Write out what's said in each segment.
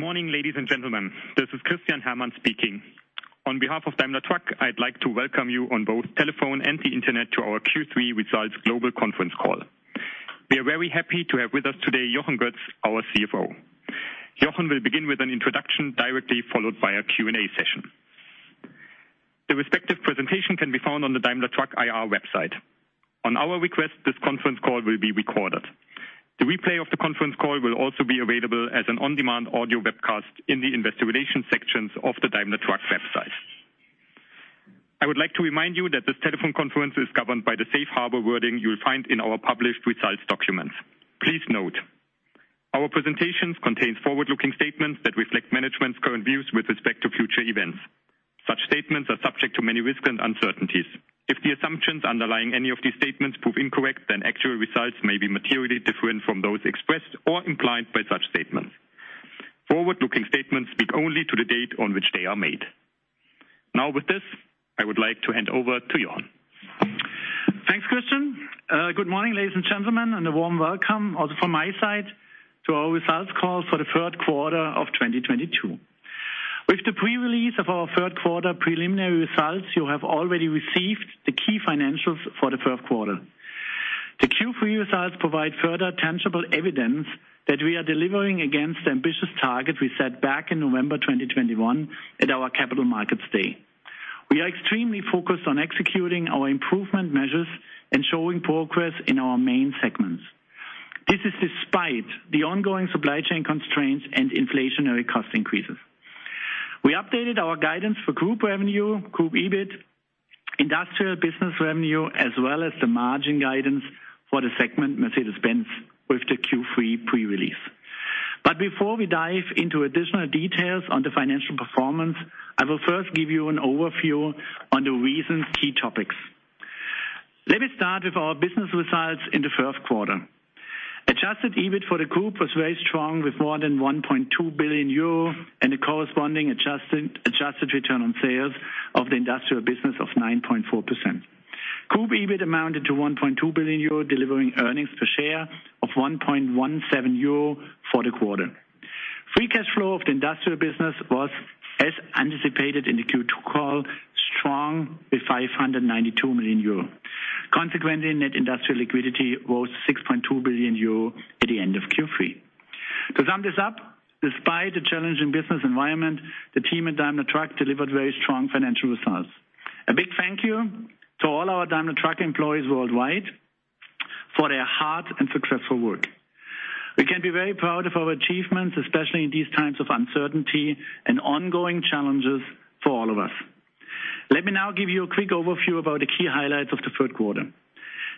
Good morning, ladies and gentlemen. This is Christian Herrmann speaking. On behalf of Daimler Truck, I'd like to welcome you on both telephone and the internet to our Q3 results global conference call. We are very happy to have with us today Jochen Götz, our CFO. Jochen will begin with an introduction directly followed by a Q&A session. The respective presentation can be found on the Daimler Truck IR website. On our request, this conference call will be recorded. The replay of the conference call will also be available as an on-demand audio webcast in the Investor Relations sections of the Daimler Truck website. I would like to remind you that this telephone conference is governed by the Safe Harbor wording you will find in our published results documents. Please note, our presentations contain forward-looking statements that reflect management's current views with respect to future events. Such statements are subject to many risks and uncertainties. If the assumptions underlying any of these statements prove incorrect, then actual results may be materially different from those expressed or implied by such statements. Forward-looking statements speak only to the date on which they are made. Now, with this, I would like to hand over to Jochen. Thanks, Christian. Good morning, ladies and gentlemen, and a warm welcome also from my side to our results call for the third quarter of 2022. With the pre-release of our third quarter preliminary results, you have already received the key financials for the third quarter. The Q3 results provide further tangible evidence that we are delivering against the ambitious target we set back in November 2021 at our Capital Markets Day. We are extremely focused on executing our improvement measures and showing progress in our main segments. This is despite the ongoing supply chain constraints and inflationary cost increases. We updated our guidance for Group revenue, Group EBIT, industrial business revenue, as well as the margin guidance for the segment Mercedes-Benz with the Q3 pre-release. Before we dive into additional details on the financial performance, I will first give you an overview on the recent key topics. Let me start with our business results in the third quarter. Adjusted EBIT for the Group was very strong with more than 1.2 billion euro and a corresponding adjusted return on sales of the industrial business of 9.4%. Group EBIT amounted to 1.2 billion euro, delivering earnings per share of 1.17 euro for the quarter. Free cash flow of the industrial business was, as anticipated in the Q2 call, strong with 592 million euro. Consequently, net industrial liquidity was 6.2 billion euro at the end of Q3. To sum this up, despite the challenging business environment, the team at Daimler Truck delivered very strong financial results. A big thank you to all our Daimler Truck employees worldwide for their hard and successful work. We can be very proud of our achievements, especially in these times of uncertainty and ongoing challenges for all of us. Let me now give you a quick overview about the key highlights of the third quarter.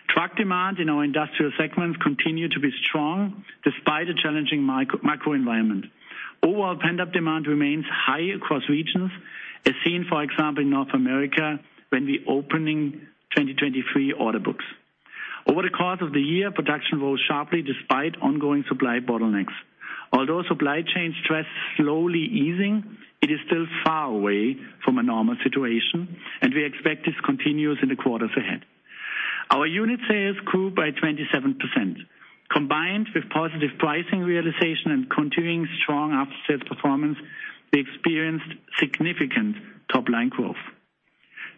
Truck demand in our industrial segments continue to be strong despite a challenging macro environment. Overall pent-up demand remains high across regions, as seen, for example, in North America when we opened 2023 order books. Over the course of the year, production rose sharply despite ongoing supply bottlenecks. Although supply chain stress is slowly easing, it is still far away from a normal situation, and we expect this to continue in the quarters ahead. Our unit sales grew by 27%. Combined with positive pricing realization and continuing strong after-sales performance, we experienced significant top-line growth.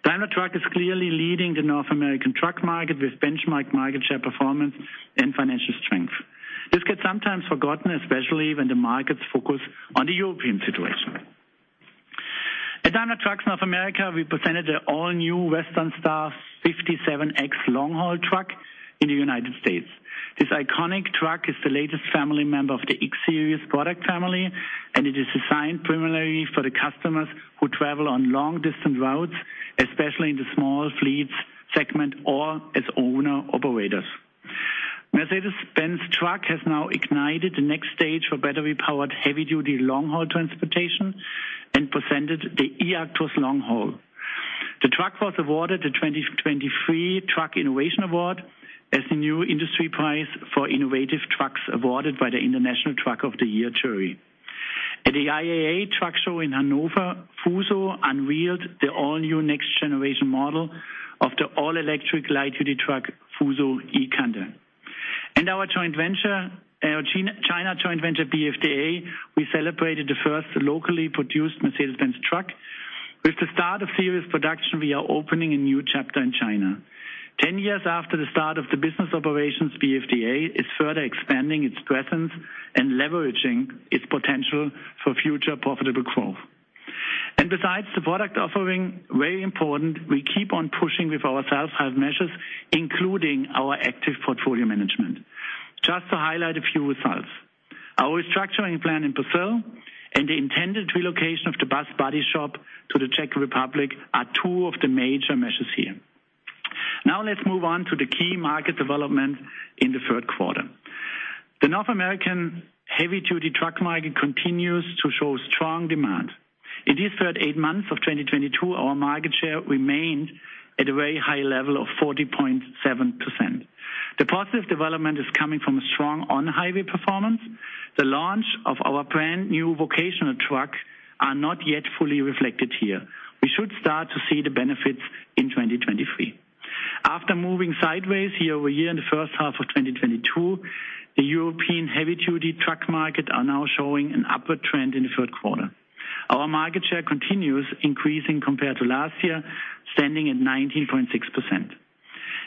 Daimler Truck is clearly leading the North American truck market with benchmark market share performance and financial strength. This gets sometimes forgotten, especially when the markets focus on the European situation. At Daimler Truck North America, we presented the all-new Western Star 57X long-haul truck in the United States. This iconic truck is the latest family member of the X-Series product family, and it is designed primarily for the customers who travel on long-distance routes, especially in the small fleets segment or as owner-operators. Mercedes-Benz Trucks has now ignited the next stage for battery-powered heavy-duty long-haul transportation and presented the eActros LongHaul. The truck was awarded the 2023 Truck Innovation Award as the new industry prize for innovative trucks awarded by the International Truck of the Year jury. At the IAA Transportation in Hannover, Fuso unveiled the all-new next generation model of the all-electric light-duty truck, Fuso eCanter. In our joint venture, China joint venture, BFDA, we celebrated the first locally produced Mercedes-Benz truck. With the start of serious production, we are opening a new chapter in China. 10 years after the start of the business operations, BFDA is further expanding its presence and leveraging its potential for future profitable growth. Besides the product offering, very important, we keep on pushing with our sales health measures, including our active portfolio management. Just to highlight a few results. Our restructuring plan in Brazil and the intended relocation of the bus body shop to the Czech Republic are two of the major measures here. Now let's move on to the key market development in the third quarter. The North American heavy-duty truck market continues to show strong demand. In the first eight months of 2022, our market share remained at a very high level of 40.7%. The positive development is coming from a strong on-highway performance. The launch of our brand new vocational truck are not yet fully reflected here. We should start to see the benefits in 2023. After moving sideways year-over-year in the first half of 2022, the European heavy-duty truck market are now showing an upward trend in the third quarter. Our market share continues increasing compared to last year, standing at 19.6%.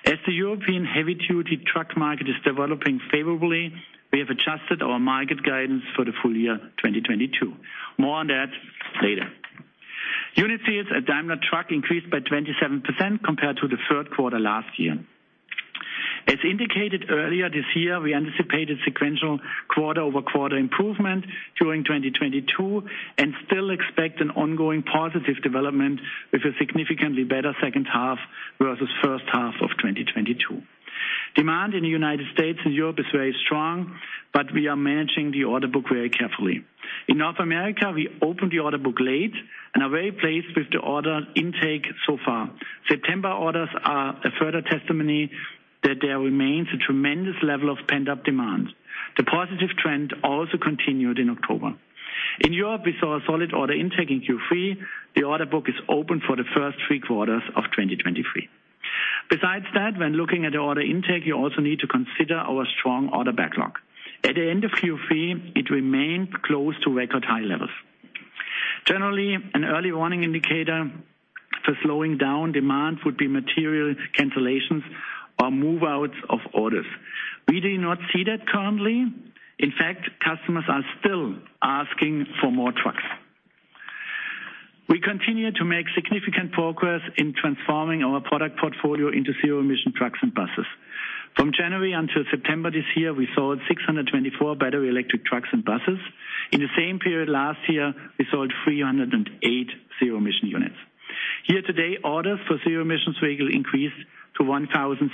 As the European heavy-duty truck market is developing favorably, we have adjusted our market guidance for the full year 2022. More on that later. Unit sales at Daimler Truck increased by 27% compared to the third quarter last year. As indicated earlier this year, we anticipated sequential quarter-over-quarter improvement during 2022, and still expect an ongoing positive development with a significantly better second half versus first half of 2022. Demand in the United States and Europe is very strong, but we are managing the order book very carefully. In North America, we opened the order book late and are very pleased with the order intake so far. September orders are a further testimony that there remains a tremendous level of pent-up demand. The positive trend also continued in October. In Europe, we saw a solid order intake in Q3. The order book is open for the first three quarters of 2023. Besides that, when looking at the order intake, you also need to consider our strong order backlog. At the end of Q3, it remained close to record high levels. Generally, an early warning indicator for slowing down demand would be material cancellations or move-outs of orders. We do not see that currently. In fact, customers are still asking for more trucks. We continue to make significant progress in transforming our product portfolio into zero-emission trucks and buses. From January until September this year, we sold 624 battery electric trucks and buses. In the same period last year, we sold 308 zero-emission units. Year-to-date, orders for zero-emission vehicles increased to 1,705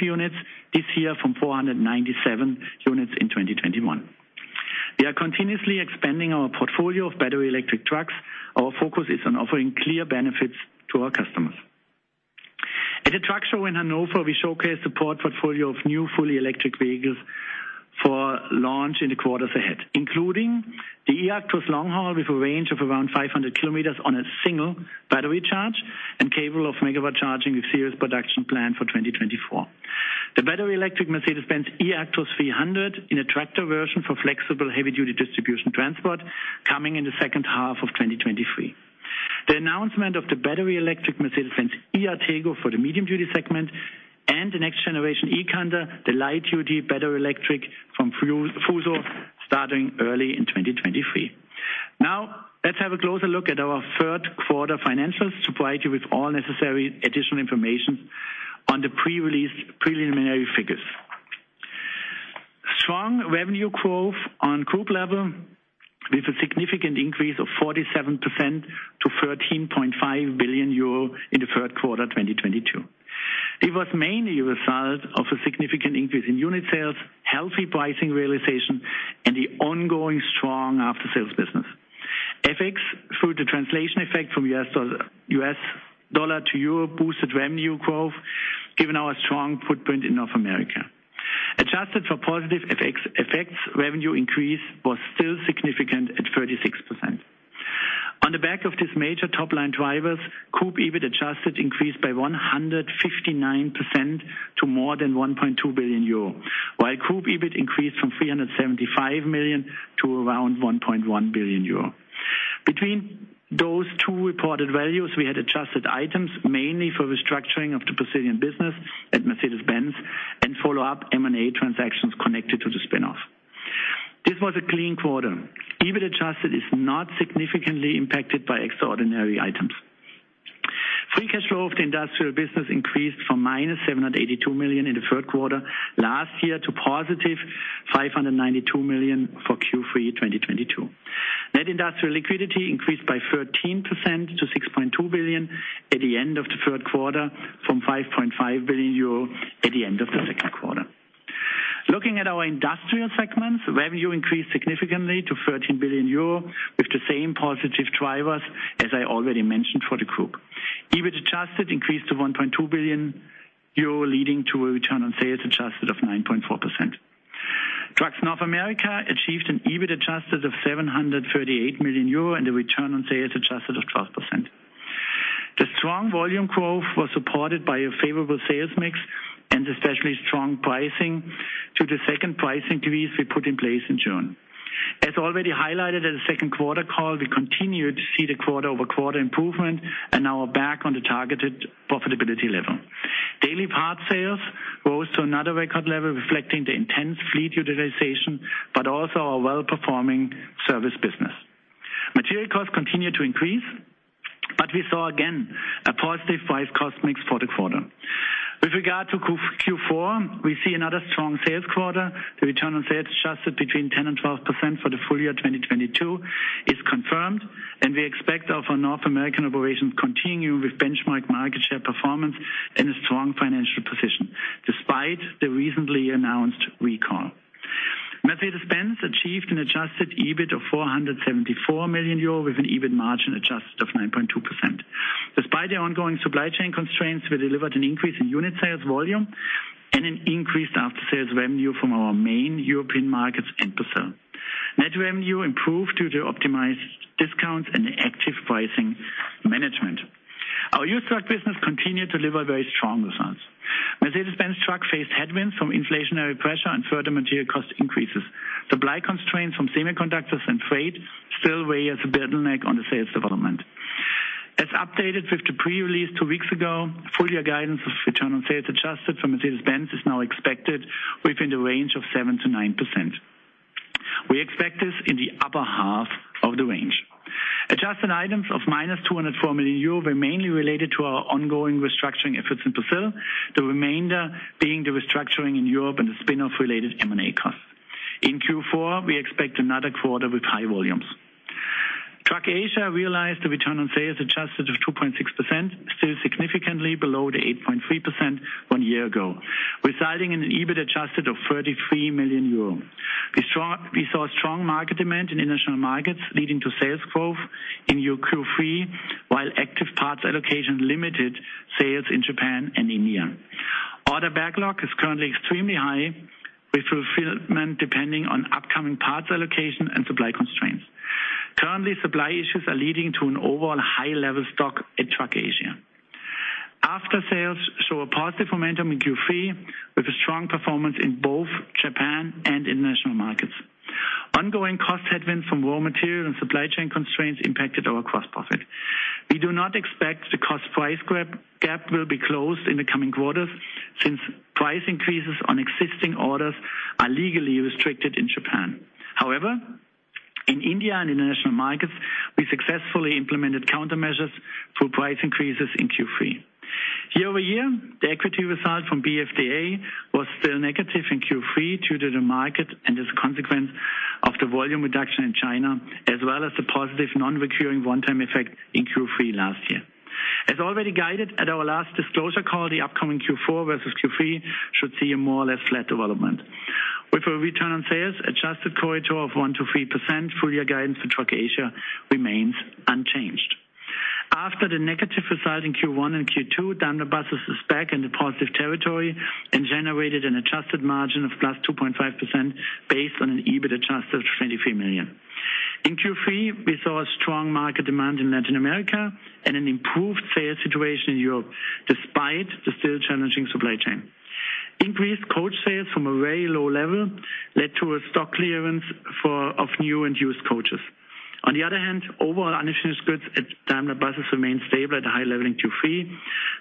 units this year from 497 units in 2021. We are continuously expanding our portfolio of battery electric trucks. Our focus is on offering clear benefits to our customers. At the truck show in Hannover, we showcased a product portfolio of new fully electric vehicles for launch in the quarters ahead, including the eActros LongHaul with a range of around 500 km on a single battery charge and capable of megawatt charging with series production plan for 2024. The battery-electric Mercedes-Benz eActros 300 in a tractor version for flexible heavy-duty distribution transport coming in the second half of 2023. The announcement of the battery-electric Mercedes-Benz eAtego for the medium-duty segment and the next generation eCanter, the light-duty battery-electric from Fuso starting early in 2023. Now, let's have a closer look at our third quarter financials to provide you with all necessary additional information on the pre-released preliminary figures. Strong revenue growth on group level with a significant increase of 47% to 13.5 billion euro in the third quarter 2022. It was mainly a result of a significant increase in unit sales, healthy pricing realization, and the ongoing strong after-sales business. FX through the translation effect from U.S. dollar to euro boosted revenue growth given our strong footprint in North America. Adjusted for positive FX effects, revenue increase was still significant at 36%. On the back of this major top-line drivers, group EBIT adjusted increased by 159% to more than 1.2 billion euro, while group EBIT increased from 375 million to around 1.1 billion euro. Between those two reported values, we had adjusted items mainly for restructuring of the Brazilian business at Mercedes-Benz and follow-up M&A transactions connected to the spin-off. This was a clean quarter. EBIT adjusted is not significantly impacted by extraordinary items. Free cash flow of the industrial business increased from -782 million in the third quarter last year to +592 million for Q3 2022. Net industrial liquidity increased by 13% to 6.2 billion at the end of the third quarter from 5.5 billion euro at the end of the second quarter. Looking at our industrial segments, revenue increased significantly to 13 billion euro with the same positive drivers as I already mentioned for the group. EBIT adjusted increased to 1.2 billion euro, leading to a return on sales adjusted of 9.4%. Trucks North America achieved an EBIT adjusted of 738 million euro and a return on sales adjusted of 12%. The strong volume growth was supported by a favorable sales mix and especially strong pricing through the second price increase we put in place in June. As already highlighted at the second quarter call, we continue to see the quarter-over-quarter improvement and now are back on the targeted profitability level. Daily part sales rose to another record level reflecting the intense fleet utilization, but also our well-performing service business. Material costs continue to increase, but we saw again a positive price cost mix for the quarter. With regard to Q4, we see another strong sales quarter. The return on sales adjusted between 10% and 12% for the full year 2022 is confirmed, and we expect our North American operations continue with benchmark market share performance and a strong financial position, despite the recently announced recall. Mercedes-Benz Trucks achieved an adjusted EBIT of 474 million euro with an adjusted EBIT margin of 9.2%. Despite the ongoing supply chain constraints, we delivered an increase in unit sales volume and an increased after-sales revenue from our main European markets and Brazil. Net revenue improved due to optimized discounts and active pricing management. Our used truck business continued to deliver very strong results. Mercedes-Benz Trucks faced headwinds from inflationary pressure and further material cost increases. Supply constraints from semiconductors and freight still weigh as a bottleneck on the sales development. As updated with the pre-release two weeks ago, full-year guidance of adjusted return on sales for Mercedes-Benz Trucks is now expected within the range of 7%-9%. We expect this in the upper half of the range. Adjusted items of -204 million euro were mainly related to our ongoing restructuring efforts in Brazil, the remainder being the restructuring in Europe and the spin-off related M&A costs. In Q4, we expect another quarter with high volumes. Truck Asia realized a return on sales adjusted of 2.6%, still significantly below the 8.3% one year ago, resulting in an EBIT adjusted of 33 million euro. We saw strong market demand in international markets, leading to sales growth in Q3, while active parts allocation limited sales in Japan and India. Order backlog is currently extremely high, with fulfillment depending on upcoming parts allocation and supply constraints. Currently, supply issues are leading to an overall high-level stock at Truck Asia. After sales show a positive momentum in Q3 with a strong performance in both Japan and international markets. Ongoing cost headwinds from raw material and supply chain constraints impacted our gross profit. We do not expect the cost price gap will be closed in the coming quarters since price increases on existing orders are legally restricted in Japan. However, in India and international markets, we successfully implemented countermeasures through price increases in Q3. Year-over-year, the equity result from BFDA was still negative in Q3 due to the market and as a consequence of the volume reduction in China, as well as the positive non-recurring one-time effect in Q3 last year. As already guided at our last disclosure call, the upcoming Q4 versus Q3 should see a more or less flat development. With a return on sales adjusted corridor of 1%-3%, full-year guidance for Truck Asia remains unchanged. After the negative result in Q1 and Q2, Daimler Buses is back in the positive territory and generated an adjusted margin of +2.5% based on an adjusted EBIT of 23 million. In Q3, we saw a strong market demand in Latin America and an improved sales situation in Europe, despite the still challenging supply chain. Increased coach sales from a very low level led to a stock clearance of new and used coaches. On the other hand, overall unfinished goods at Daimler Buses remain stable at a high level in Q3,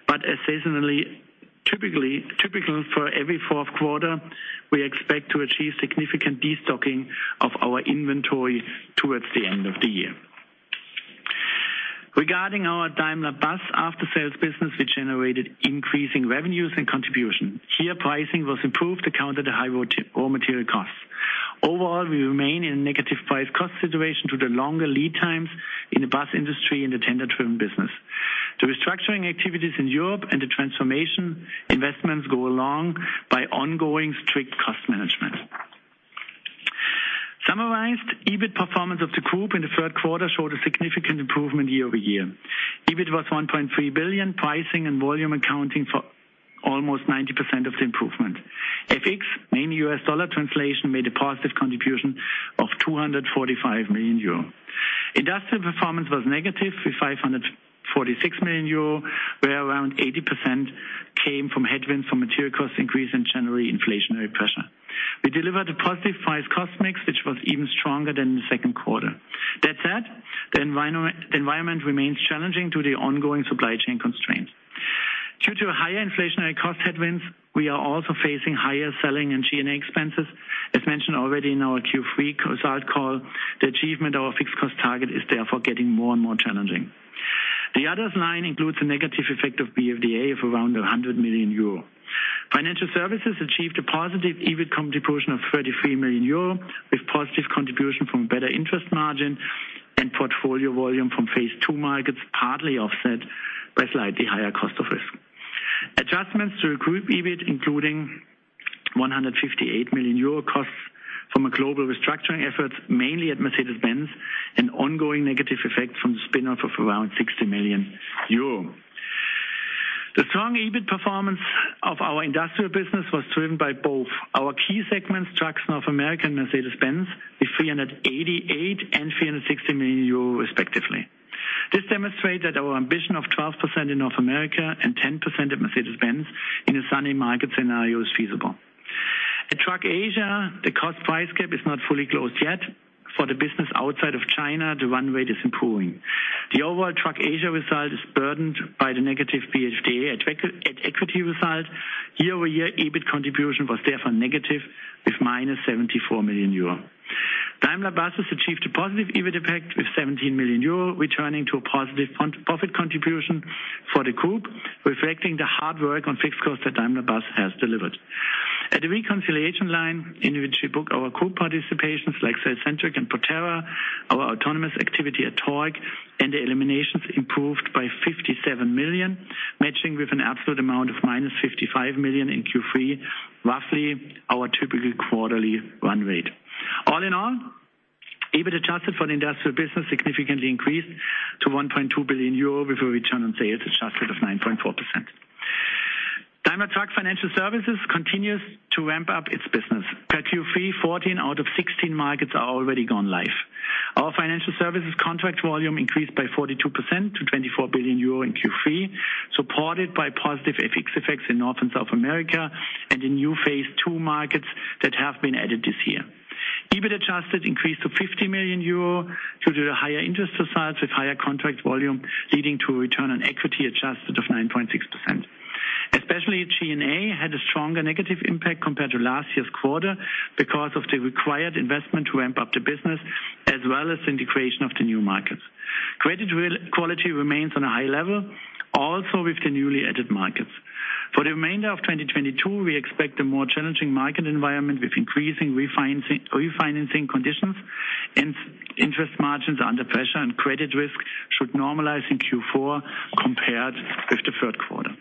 but seasonally, typically for every fourth quarter, we expect to achieve significant destocking of our inventory towards the end of the year. Regarding our Daimler Buses after-sales business, we generated increasing revenues and contribution. Here, pricing was improved to counter the high raw material costs. Overall, we remain in a negative price cost situation due to longer lead times in the bus industry and the tender-driven business. The restructuring activities in Europe and the transformation investments go along by ongoing strict cost management. Summarized, EBIT performance of the group in the third quarter showed a significant improvement year-over-year. EBIT was 1.3 billion, pricing and volume accounting for almost 90% of the improvement. FX, mainly U.S. dollar translation, made a positive contribution of 245 million euro. Industrial performance was negative with 546 million euro, where around 80% came from headwinds from material cost increase and generally inflationary pressure. We delivered a positive price cost mix, which was even stronger than the second quarter. That said, the environment remains challenging due to the ongoing supply chain constraints. Due to higher inflationary cost headwinds, we are also facing higher selling and G&A expenses. As mentioned already in our Q3 results call, the achievement of our fixed cost target is therefore getting more and more challenging. The Others line includes a negative effect of BFDA of around 100 million euro. Financial services achieved a positive EBIT contribution of 33 million euro, with positive contribution from better interest margin and portfolio volume from phase two markets, partly offset by slightly higher cost of risk. Adjustments to the group EBIT, including 158 million euro costs from a global restructuring efforts, mainly at Mercedes-Benz, and ongoing negative effects from the spin-off of around 60 million euro. The strong EBIT performance of our industrial business was driven by both our key segments, Trucks North America and Mercedes-Benz, with 388 million and 360 million euros respectively. This demonstrates that our ambition of 12% in North America and 10% at Mercedes-Benz in a sunny market scenario is feasible. At Truck Asia, the cost price gap is not fully closed yet. For the business outside of China, the run rate is improving. The overall Truck Asia result is burdened by the negative BFDA at equity result. Year-over-year, EBIT contribution was therefore negative with -74 million euro. Daimler Buses achieved a positive EBIT impact with 17 million euro, returning to a positive profit contribution for the group, reflecting the hard work on fixed costs that Daimler Buses has delivered. At the reconciliation line in which we book our group participations like cellcentric and Proterra, our autonomous activity at Torc, and the eliminations improved by 57 million, matching with an absolute amount of -55 million in Q3, roughly our typical quarterly run rate. All in all, EBIT adjusted for the industrial business significantly increased to 1.2 billion euro with a return on sales adjusted of 9.4%. Daimler Truck Financial Services continues to ramp up its business. Per Q3, 14 out of 16 markets are already gone live. Our financial services contract volume increased by 42% to 24 billion euro in Q3, supported by positive FX effects in North and South America and the new phase two markets that have been added this year. EBIT adjusted increased to 50 million euro due to the higher interest rates with higher contract volume, leading to a return on equity adjusted of 9.6%. G&A had a stronger negative impact compared to last year's quarter because of the required investment to ramp up the business as well as integration of the new markets. Credit quality remains on a high level, also with the newly added markets. For the remainder of 2022, we expect a more challenging market environment with increasing refinancing conditions and interest margins under pressure and credit risk should normalize in Q4 compared with the third quarter.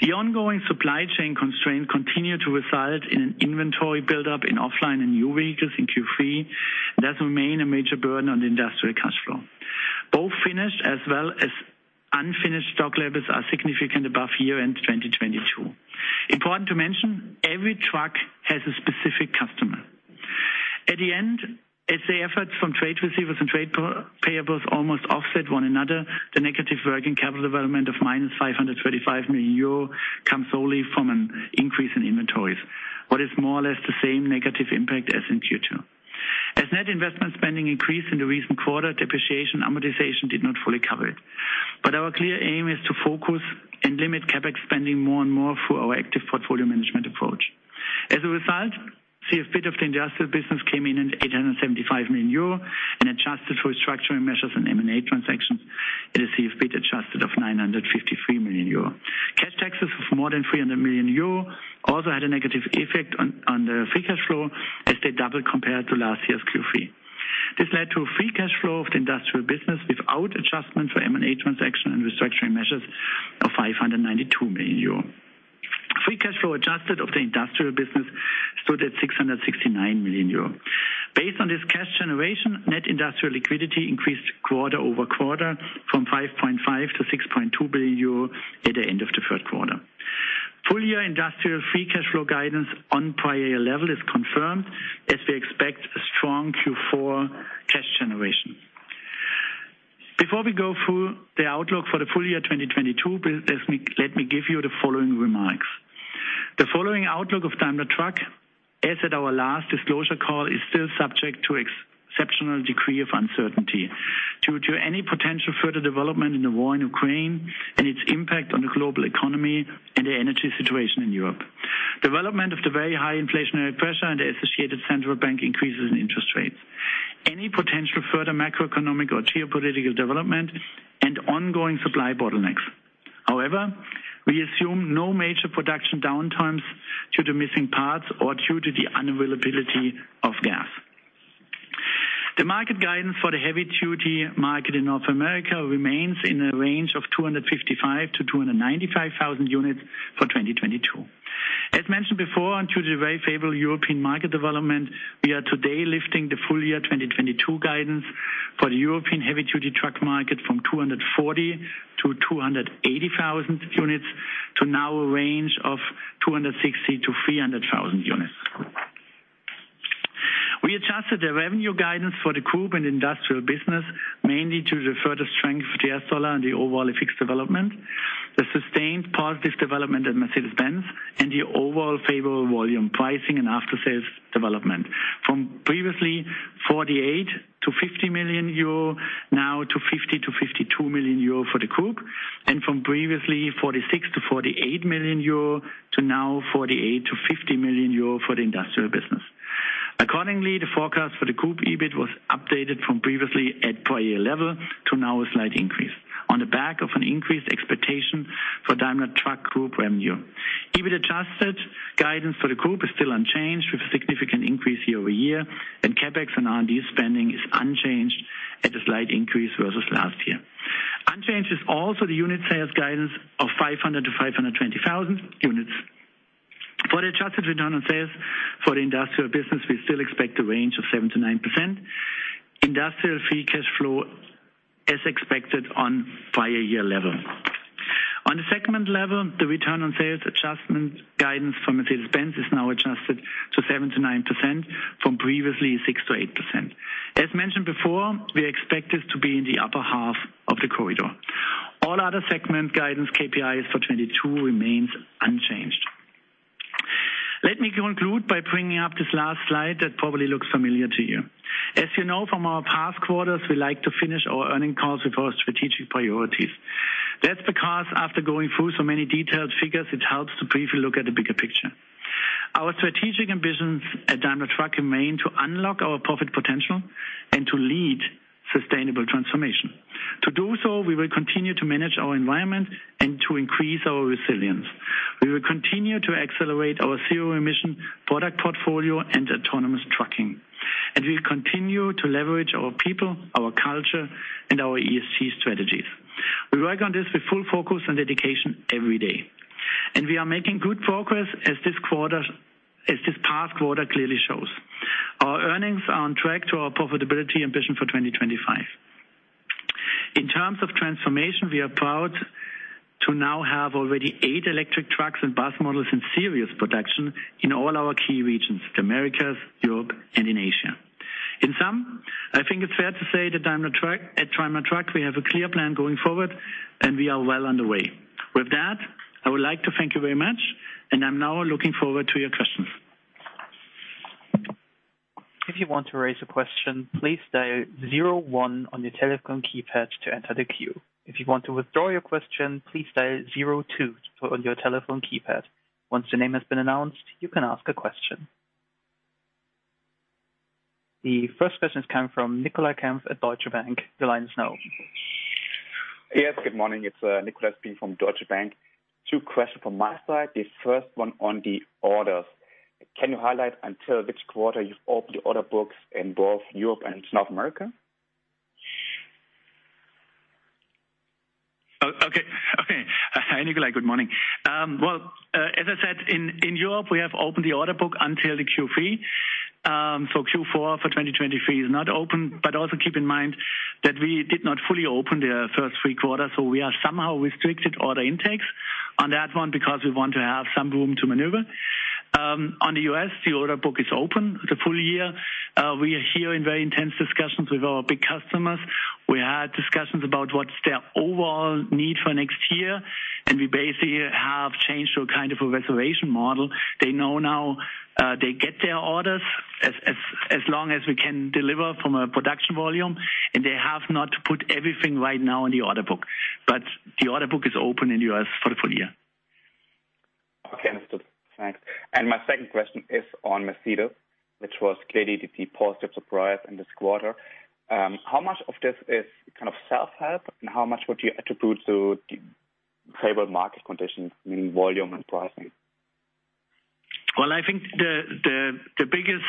The ongoing supply chain constraints continue to result in an inventory buildup in off-lease and new vehicles in Q3. That remains a major burden on the industrial cash flow. Both finished as well as unfinished stock levels are significantly above year-end 2022. Important to mention, every truck has a specific customer. At the end, as the efforts from trade receivables and trade payables almost offset one another, the negative working capital development of -525 million euro comes only from an increase in inventories. What is more or less the same negative impact as in Q2. As net investment spending increased in the recent quarter, depreciation and amortization did not fully cover it. Our clear aim is to focus and limit CapEx spending more and more through our active portfolio management approach. As a result, CFBIT of the industrial business came in at 875 million euro and adjusted for structuring measures and M&A transactions. It is CFBIT adjusted of 953 million euro. Cash taxes of more than 300 million euro also had a negative effect on the free cash flow as they doubled compared to last year's Q3. This led to a free cash flow of the industrial business without adjustments for M&A transaction and restructuring measures of 592 million euros. Free cash flow adjusted of the industrial business stood at 669 million euros. Based on this cash generation, net industrial liquidity increased quarter-over-quarter from 5.5 billion-6.2 billion euro at the end of the third quarter. Full-year industrial free cash flow guidance on prior level is confirmed as we expect a strong Q4 cash generation. Before we go through the outlook for the full year 2022, please let me give you the following remarks. The following outlook of Daimler Truck, as at our last disclosure call, is still subject to exceptional degree of uncertainty due to any potential further development in the war in Ukraine and its impact on the global economy and the energy situation in Europe. Development of the very high inflationary pressure and the associated central bank increases in interest rates. Any potential further macroeconomic or geopolitical development and ongoing supply bottlenecks. However, we assume no major production downtimes due to missing parts or due to the unavailability of gas. The market guidance for the heavy-duty market in North America remains in a range of 255-295 thousand units for 2022. As mentioned before, due to the very favorable European market development, we are today lifting the full-year 2022 guidance for the European heavy-duty truck market from 240,000-280,000 units to now a range of 260,000-300,000 units. We adjusted the revenue guidance for the group and industrial business, mainly to the further strength of the USD and the overall FX development, the sustained positive development at Mercedes-Benz, and the overall favorable volume pricing and after-sales development. From previously 48 million-50 million euro, now to 50 million-52 million euro for the group, and from previously 46 million-48 million euro to now 48 million-50 million euro for the industrial business. Accordingly, the forecast for the group EBIT was updated from previously at prior level to now a slight increase on the back of an increased expectation for Daimler Truck Group revenue. EBIT adjusted guidance for the group is still unchanged with a significant increase year-over-year, and CapEx and R&D spending is unchanged at a slight increase versus last year. Unchanged is also the unit sales guidance of 500-520,000 units. For the adjusted return on sales for the industrial business, we still expect a range of 7%-9%. Industrial free cash flow as expected on prior year level. On a segment level, the return on sales adjustment guidance for Mercedes-Benz is now adjusted to 7%-9% from previously 6%-8%. As mentioned before, we expect this to be in the upper half of the corridor. All other segment guidance KPIs for 2022 remains unchanged. Let me conclude by bringing up this last slide that probably looks familiar to you. As you know from our past quarters, we like to finish our earnings calls with our strategic priorities. That's because after going through so many detailed figures, it helps to briefly look at the bigger picture. Our strategic ambitions at Daimler Truck remain to unlock our profit potential and to lead sustainable transformation. To do so, we will continue to manage our environment and to increase our resilience. We will continue to accelerate our zero-emission product portfolio and autonomous trucking. We'll continue to leverage our people, our culture, and our ESG strategies. We work on this with full focus and dedication every day. We are making good progress as this past quarter clearly shows. Our earnings are on track to our profitability ambition for 2025. In terms of transformation, we are proud to now have already eight electric trucks and bus models in series production in all our key regions, the Americas, Europe, and in Asia. In sum, I think it's fair to say. At Daimler Truck, we have a clear plan going forward, and we are well underway. With that, I would like to thank you very much, and I'm now looking forward to your questions. If you want to raise a question, please dial zero one on your telephone keypad to enter the queue. If you want to withdraw your question, please dial zero two on your telephone keypad. Once your name has been announced, you can ask a question. The first question is coming from Nicolai Kempf at Deutsche Bank. Your line is now open. Yes, good morning. It's Nicolai speaking from Deutsche Bank. Two questions from my side. The first one on the orders. Can you highlight until which quarter you've opened the order books in both Europe and North America? Hi, Nicolai. Good morning. Well, as I said, in Europe, we have opened the order book until the Q3. Q4 for 2023 is not open. Also keep in mind that we did not fully open the first three quarters, so we are somehow restricted order intakes on that one because we want to have some room to maneuver. On the U.S., the order book is open the full year. We are here in very intense discussions with our big customers. We had discussions about what's their overall need for next year, and we basically have changed to a kind of a reservation model. They know now, they get their orders as long as we can deliver from a production volume, and they have not put everything right now in the order book. The order book is open in the U.S. for the full year. Okay. Understood. Thanks. My second question is on Mercedes, which was clearly the positive surprise in this quarter. How much of this is kind of self-help, and how much would you attribute to the favorable market conditions, meaning volume and pricing? Well, I think the biggest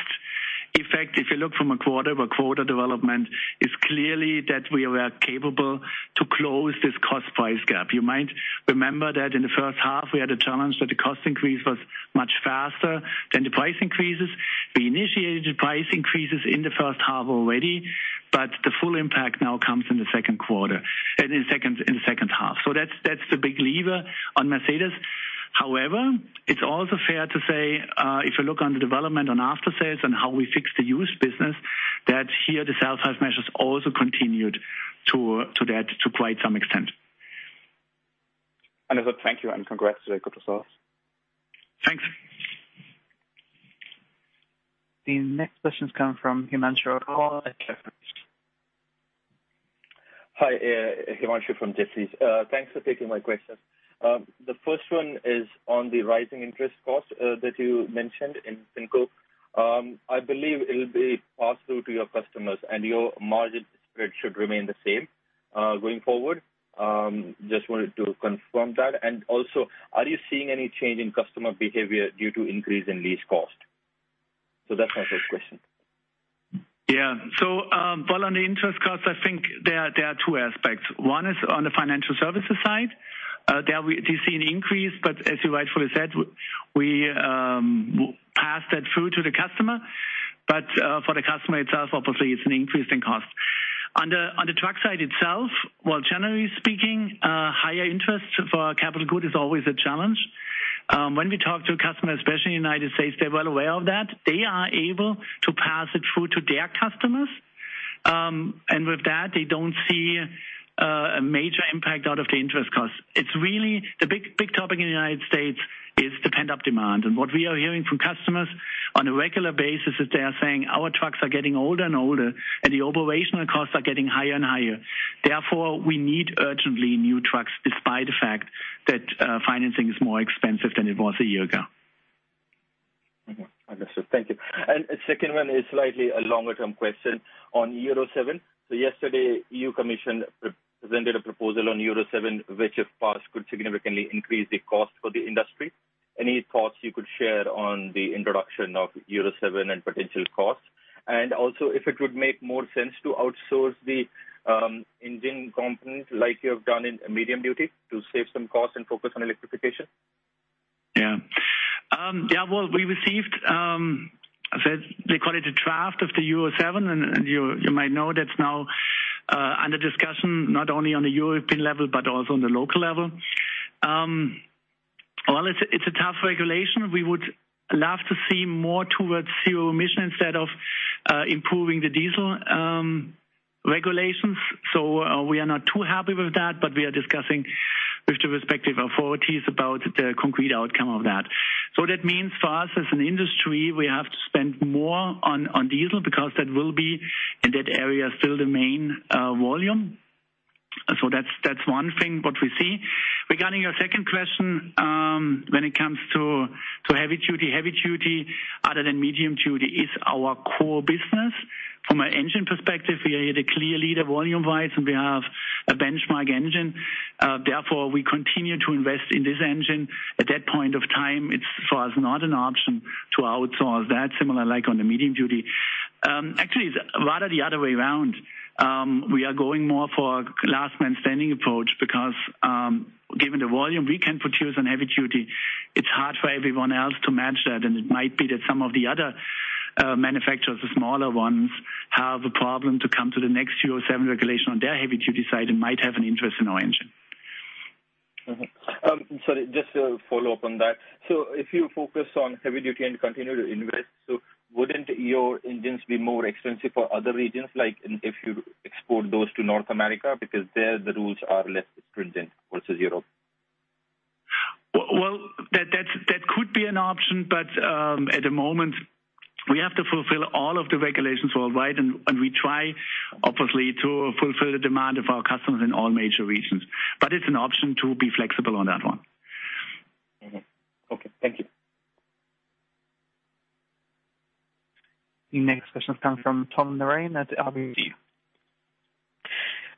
effect, if you look from a quarter-by-quarter development, is clearly that we were capable to close this cost-price gap. You might remember that in the first half we had a challenge that the cost increase was much faster than the price increases. We initiated price increases in the first half already, but the full impact now comes in the second half. That's the big lever on Mercedes. However, it's also fair to say, if you look on the development on after sales and how we fixed the used business, that here the self-help measures also continued to do that, too, to quite some extent. Understood. Thank you, and congrats to the good results. Thanks. The next question is coming from Himanshu Agarwal at Jefferies. Hi. Himanshu from Jefferies. Thanks for taking my question. The first one is on the rising interest cost that you mentioned in FinCo. I believe it will be passed through to your customers and your margin spread should remain the same going forward. Just wanted to confirm that. Also, are you seeing any change in customer behavior due to increase in lease cost? That's my first question. On the interest cost, I think there are two aspects. One is on the financial services side. There we do see an increase, but as you rightfully said, we pass that through to the customer. For the customer itself, obviously it's an increase in cost. On the truck side itself, generally speaking, higher interest for capital goods is always a challenge. When we talk to a customer, especially in the United States, they're well aware of that. They are able to pass it through to their customers. With that, they don't see a major impact out of the interest cost. It's really the big topic in the United States, the pent-up demand. What we are hearing from customers on a regular basis is they are saying, "Our trucks are getting older and older, and the operational costs are getting higher and higher. Therefore, we need urgently new trucks despite the fact that financing is more expensive than it was a year ago. Mm-hmm. Understood. Thank you. Second one is slightly a longer term question on Euro 7. Yesterday, European Commission presented a proposal on Euro 7, which if passed could significantly increase the cost for the industry. Any thoughts you could share on the introduction of Euro 7 and potential costs? If it would make more sense to outsource the engine component like you have done in medium duty to save some cost and focus on electrification. Yeah. Well, we received they call it a draft of the Euro 7. You might know that's now under discussion not only on the European level but also on the local level. Well, it's a tough regulation. We would love to see more towards zero emission instead of improving the diesel regulations. We are not too happy with that, but we are discussing with the respective authorities about the concrete outcome of that. That means for us as an industry, we have to spend more on diesel because that will be, in that area, still the main volume. That's one thing what we see. Regarding your second question, when it comes to heavy duty. Heavy duty other than medium duty is our core business. From an engine perspective, we are the clear leader volume-wise, and we have a benchmark engine. Therefore, we continue to invest in this engine. At that point of time, it's for us not an option to outsource that similar like on the medium duty. Actually it's rather the other way around. We are going more for last man standing approach because, given the volume we can produce on heavy-duty, it's hard for everyone else to match that. It might be that some of the other manufacturers, the smaller ones, have a problem to come to the next Euro 7 regulation on their heavy-duty side and might have an interest in our engine. Sorry, just to follow up on that. If you focus on heavy duty and continue to invest, so wouldn't your engines be more expensive for other regions like in, if you export those to North America, because there the rules are less stringent versus Europe? Well, that could be an option, but at the moment we have to fulfill all of the regulations worldwide, and we try obviously to fulfill the demand of our customers in all major regions. It's an option to be flexible on that one. Mm-hmm. Okay. Thank you. The next question comes from Tom Narayan at RBC.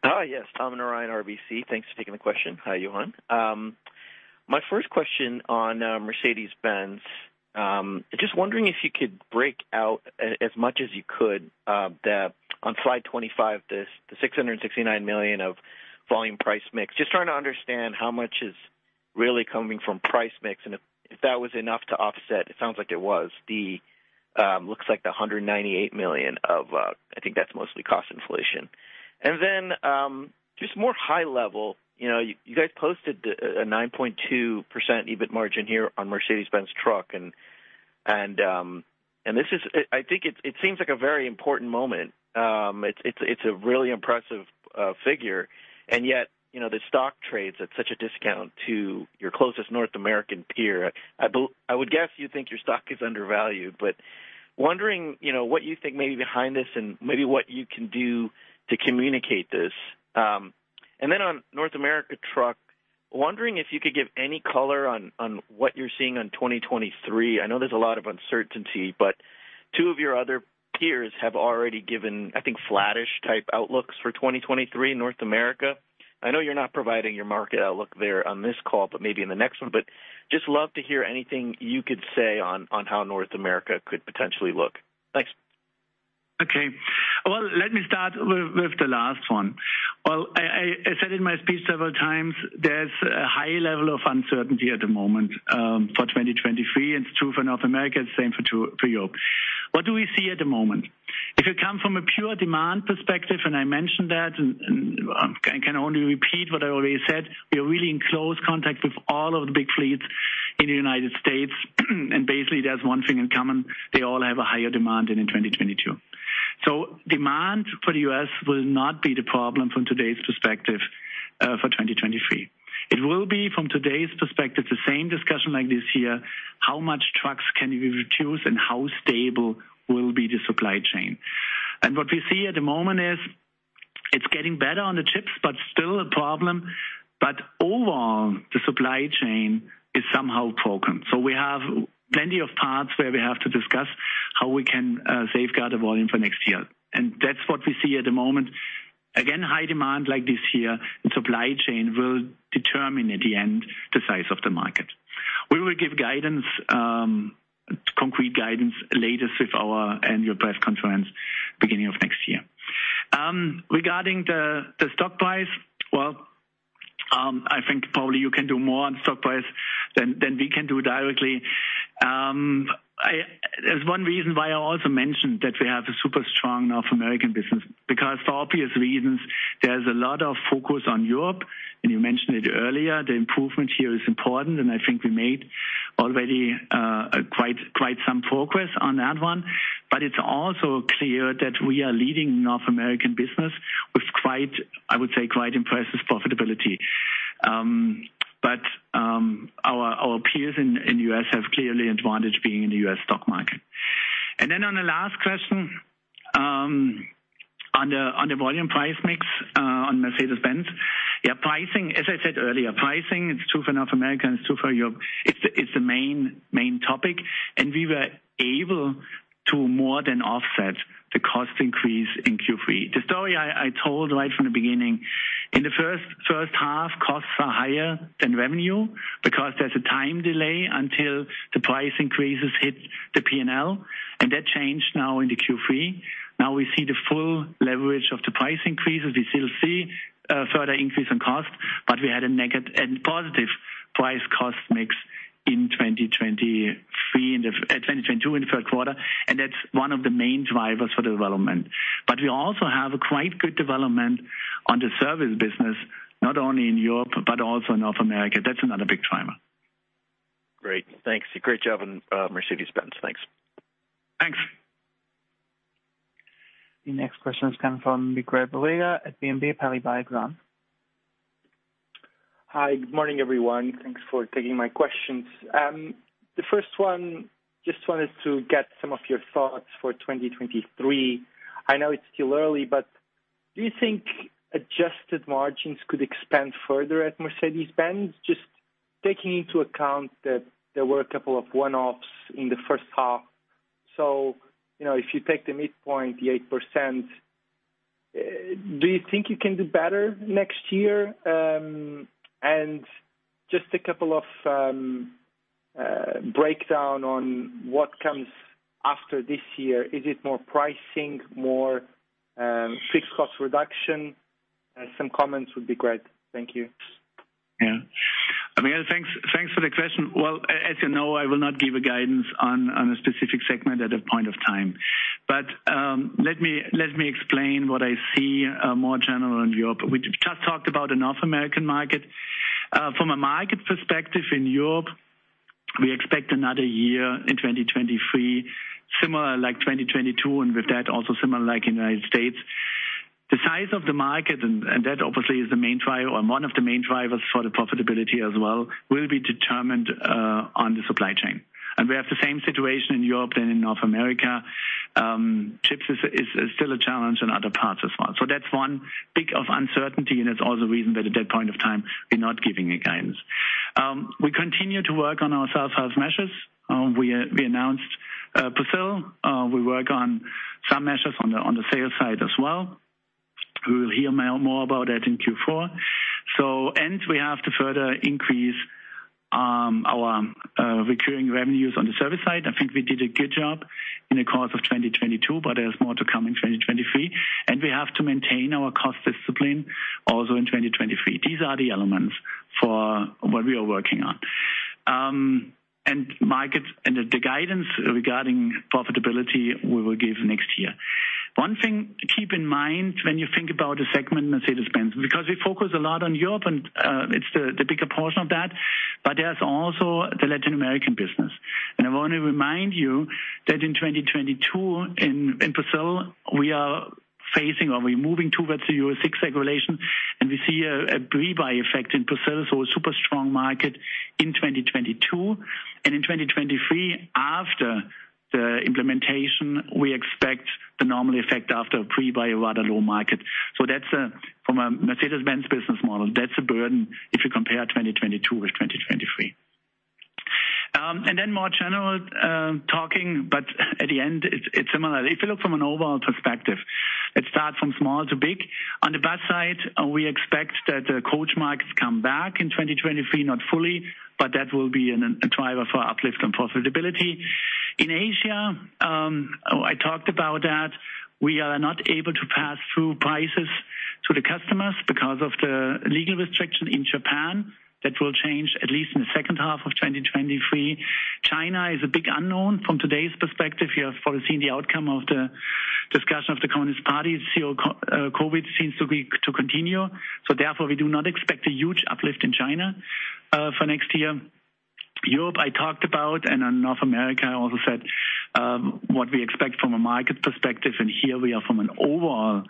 Hi, yes. Tom Narayan, RBC. Thanks for taking the question, Jochen Götz. My first question on Mercedes-Benz, just wondering if you could break out as much as you could, the on slide 25, the 669 million of volume price mix. Just trying to understand how much is really coming from price mix, and if that was enough to offset. It sounds like it was. It looks like the 198 million of, I think that's mostly cost inflation. Just more high level, you know, you guys posted a 9.2% EBIT margin here on Mercedes-Benz Trucks, and this is. I think it seems like a very important moment. It's a really impressive figure, and yet, you know, the stock trades at such a discount to your closest North American peer. I would guess you think your stock is undervalued, but wondering, you know, what you think may be behind this and maybe what you can do to communicate this. And then on North America truck, wondering if you could give any color on what you're seeing on 2023. I know there's a lot of uncertainty, but two of your other peers have already given, I think, flattish type outlooks for 2023 in North America. I know you're not providing your market outlook there on this call, but maybe in the next one. But just love to hear anything you could say on how North America could potentially look. Thanks. Okay. Well, let me start with the last one. Well, I said in my speech several times there's a high level of uncertainty at the moment for 2023, and it's true for North America, it's the same too for Europe. What do we see at the moment? If you come from a pure demand perspective, and I mentioned that and I can only repeat what I already said, we are really in close contact with all of the big fleets in the United States, and basically there's one thing in common. They all have a higher demand than in 2022. Demand for the U.S. will not be the problem from today's perspective for 2023. It will be, from today's perspective, the same discussion like this year, how much trucks can we reduce and how stable will be the supply chain. What we see at the moment is it's getting better on the chips but still a problem. Overall, the supply chain is somehow broken. We have plenty of parts where we have to discuss how we can safeguard the volume for next year. That's what we see at the moment. Again, high demand like this year, the supply chain will determine at the end the size of the market. We will give guidance, concrete guidance latest with our annual press conference beginning of next year. Regarding the stock price, well, I think probably you can do more on stock price than we can do directly. I... There's one reason why I also mentioned that we have a super strong North American business, because for obvious reasons, there's a lot of focus on Europe, and you mentioned it earlier. The improvement here is important, and I think we made already quite some progress on that one. It's also clear that we have a leading North American business with quite impressive profitability. Our peers in the U.S. have a clear advantage being in the U.S. stock market. Then on the last question, on the volume price mix, on Mercedes-Benz. Yeah, pricing, as I said earlier, it's true for North America and it's true for Europe. It's the main topic. We were able to more than offset the cost increase in Q3. The story I told right from the beginning, in the first half, costs are higher than revenue because there's a time delay until the price increases hit the P&L, and that changed now into Q3. Now we see the full leverage of the price increases. We still see a further increase in cost, but we had a positive price cost mix in 2022 in the third quarter, and that's one of the main drivers for the development. We also have a quite good development on the service business, not only in Europe, but also North America. That's another big driver. Great. Thanks. Great job on, Mercedes-Benz. Thanks. Thanks. The next question is coming from Miguel Borrega at BNP Paribas. Hi. Good morning, everyone. Thanks for taking my questions. The first one, just wanted to get some of your thoughts for 2023. I know it's still early, but do you think adjusted margins could expand further at Mercedes-Benz? Just taking into account that there were a couple of one-offs in the first half. You know, if you take the midpoint, the 8%, do you think you can do better next year? And just a couple of breakdown on what comes after this year. Is it more pricing, more fixed cost reduction? Some comments would be great. Thank you. I mean, thanks for the question. Well, as you know, I will not give a guidance on a specific segment at a point of time. Let me explain what I see more general in Europe. We just talked about the North American market. From a market perspective in Europe, we expect another year in 2023, similar like 2022, and with that also similar like United States. The size of the market, and that obviously is the main drive or one of the main drivers for the profitability as well, will be determined on the supply chain. We have the same situation in Europe and in North America. Chips is still a challenge in other parts as well. That's one big source of uncertainty, and it's also the reason that at that point of time we're not giving a guidance. We continue to work on our self-help measures. We announced Brazil. We work on some measures on the sales side as well. We will hear more about that in Q4. We have to further increase our recurring revenues on the service side. I think we did a good job in the course of 2022, but there's more to come in 2023. We have to maintain our cost discipline also in 2023. These are the elements for what we are working on. Markets and the guidance regarding profitability we will give next year. One thing to keep in mind when you think about the segment Mercedes-Benz, because we focus a lot on Europe and, it's the bigger portion of that, but there's also the Latin American business. I want to remind you that in 2022, in Brazil, we are facing or we're moving towards the Euro 6 regulation, and we see a pre-buy effect in Brazil, so a super strong market in 2022. In 2023, after the implementation, we expect the normal effect after a pre-buy rather low market. That's from a Mercedes-Benz business model, that's a burden if you compare 2022 with 2023. Then more general, talking, but at the end it's similar. If you look from an overall perspective, let's start from small to big. On the bus side, we expect that the coach markets come back in 2023, not fully, but that will be a driver for uplift and profitability. In Asia, I talked about that, we are not able to pass through prices to the customers because of the legal restriction in Japan. That will change at least in the second half of 2023. China is a big unknown from today's perspective. You have foreseen the outcome of the discussion of the Communist Party. COVID seems to continue. Therefore, we do not expect a huge uplift in China for next year. Europe, I talked about, and in North America, I also said what we expect from a market perspective, and here we are from an overall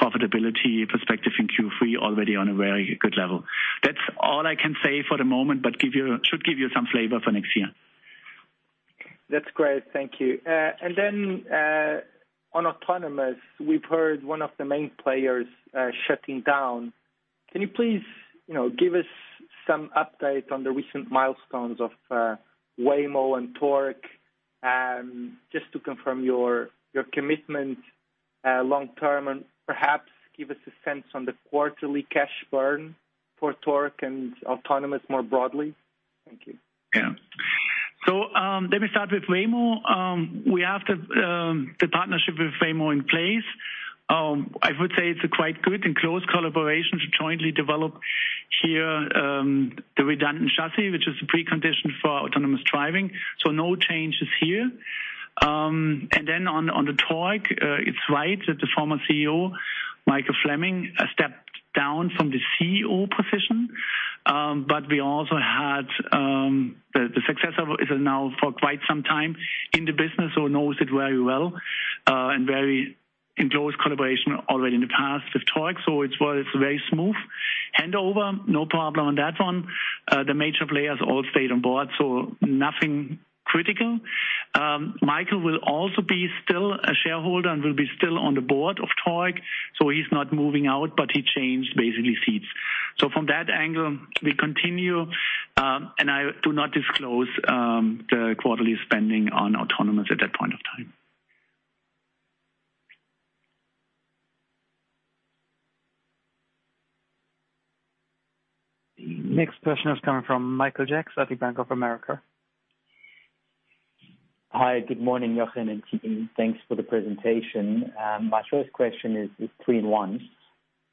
profitability perspective in Q3 already on a very good level. That's all I can say for the moment, but should give you some flavor for next year. That's great. Thank you. On autonomous, we've heard one of the main players shutting down. Can you please, you know, give us some update on the recent milestones of Waymo and Torc, just to confirm your commitment long-term, and perhaps give us a sense on the quarterly cash burn for Torc and autonomous more broadly? Thank you. Yeah. Let me start with Waymo. We have the partnership with Waymo in place. I would say it's a quite good and close collaboration to jointly develop here the redundant chassis, which is a precondition for autonomous driving. No changes here. On the Torc, it's right that the former CEO, Michael Fleming, stepped down from the CEO position. We also have the successor who is now for quite some time in the business, so knows it very well, and very close collaboration already in the past with Torc. Well, it's a very smooth handover. No problem on that one. The major players all stayed on board, nothing critical. Michael will also be still a shareholder and will be still on the board of Torc, so he's not moving out, but he changed basically seats. From that angle, we continue, and I do not disclose the quarterly spending on autonomous at that point of time. The next question is coming from Michael Jacks at Bank of America. Hi. Good morning, Jochen Götz and team. Thanks for the presentation. My first question is three in one.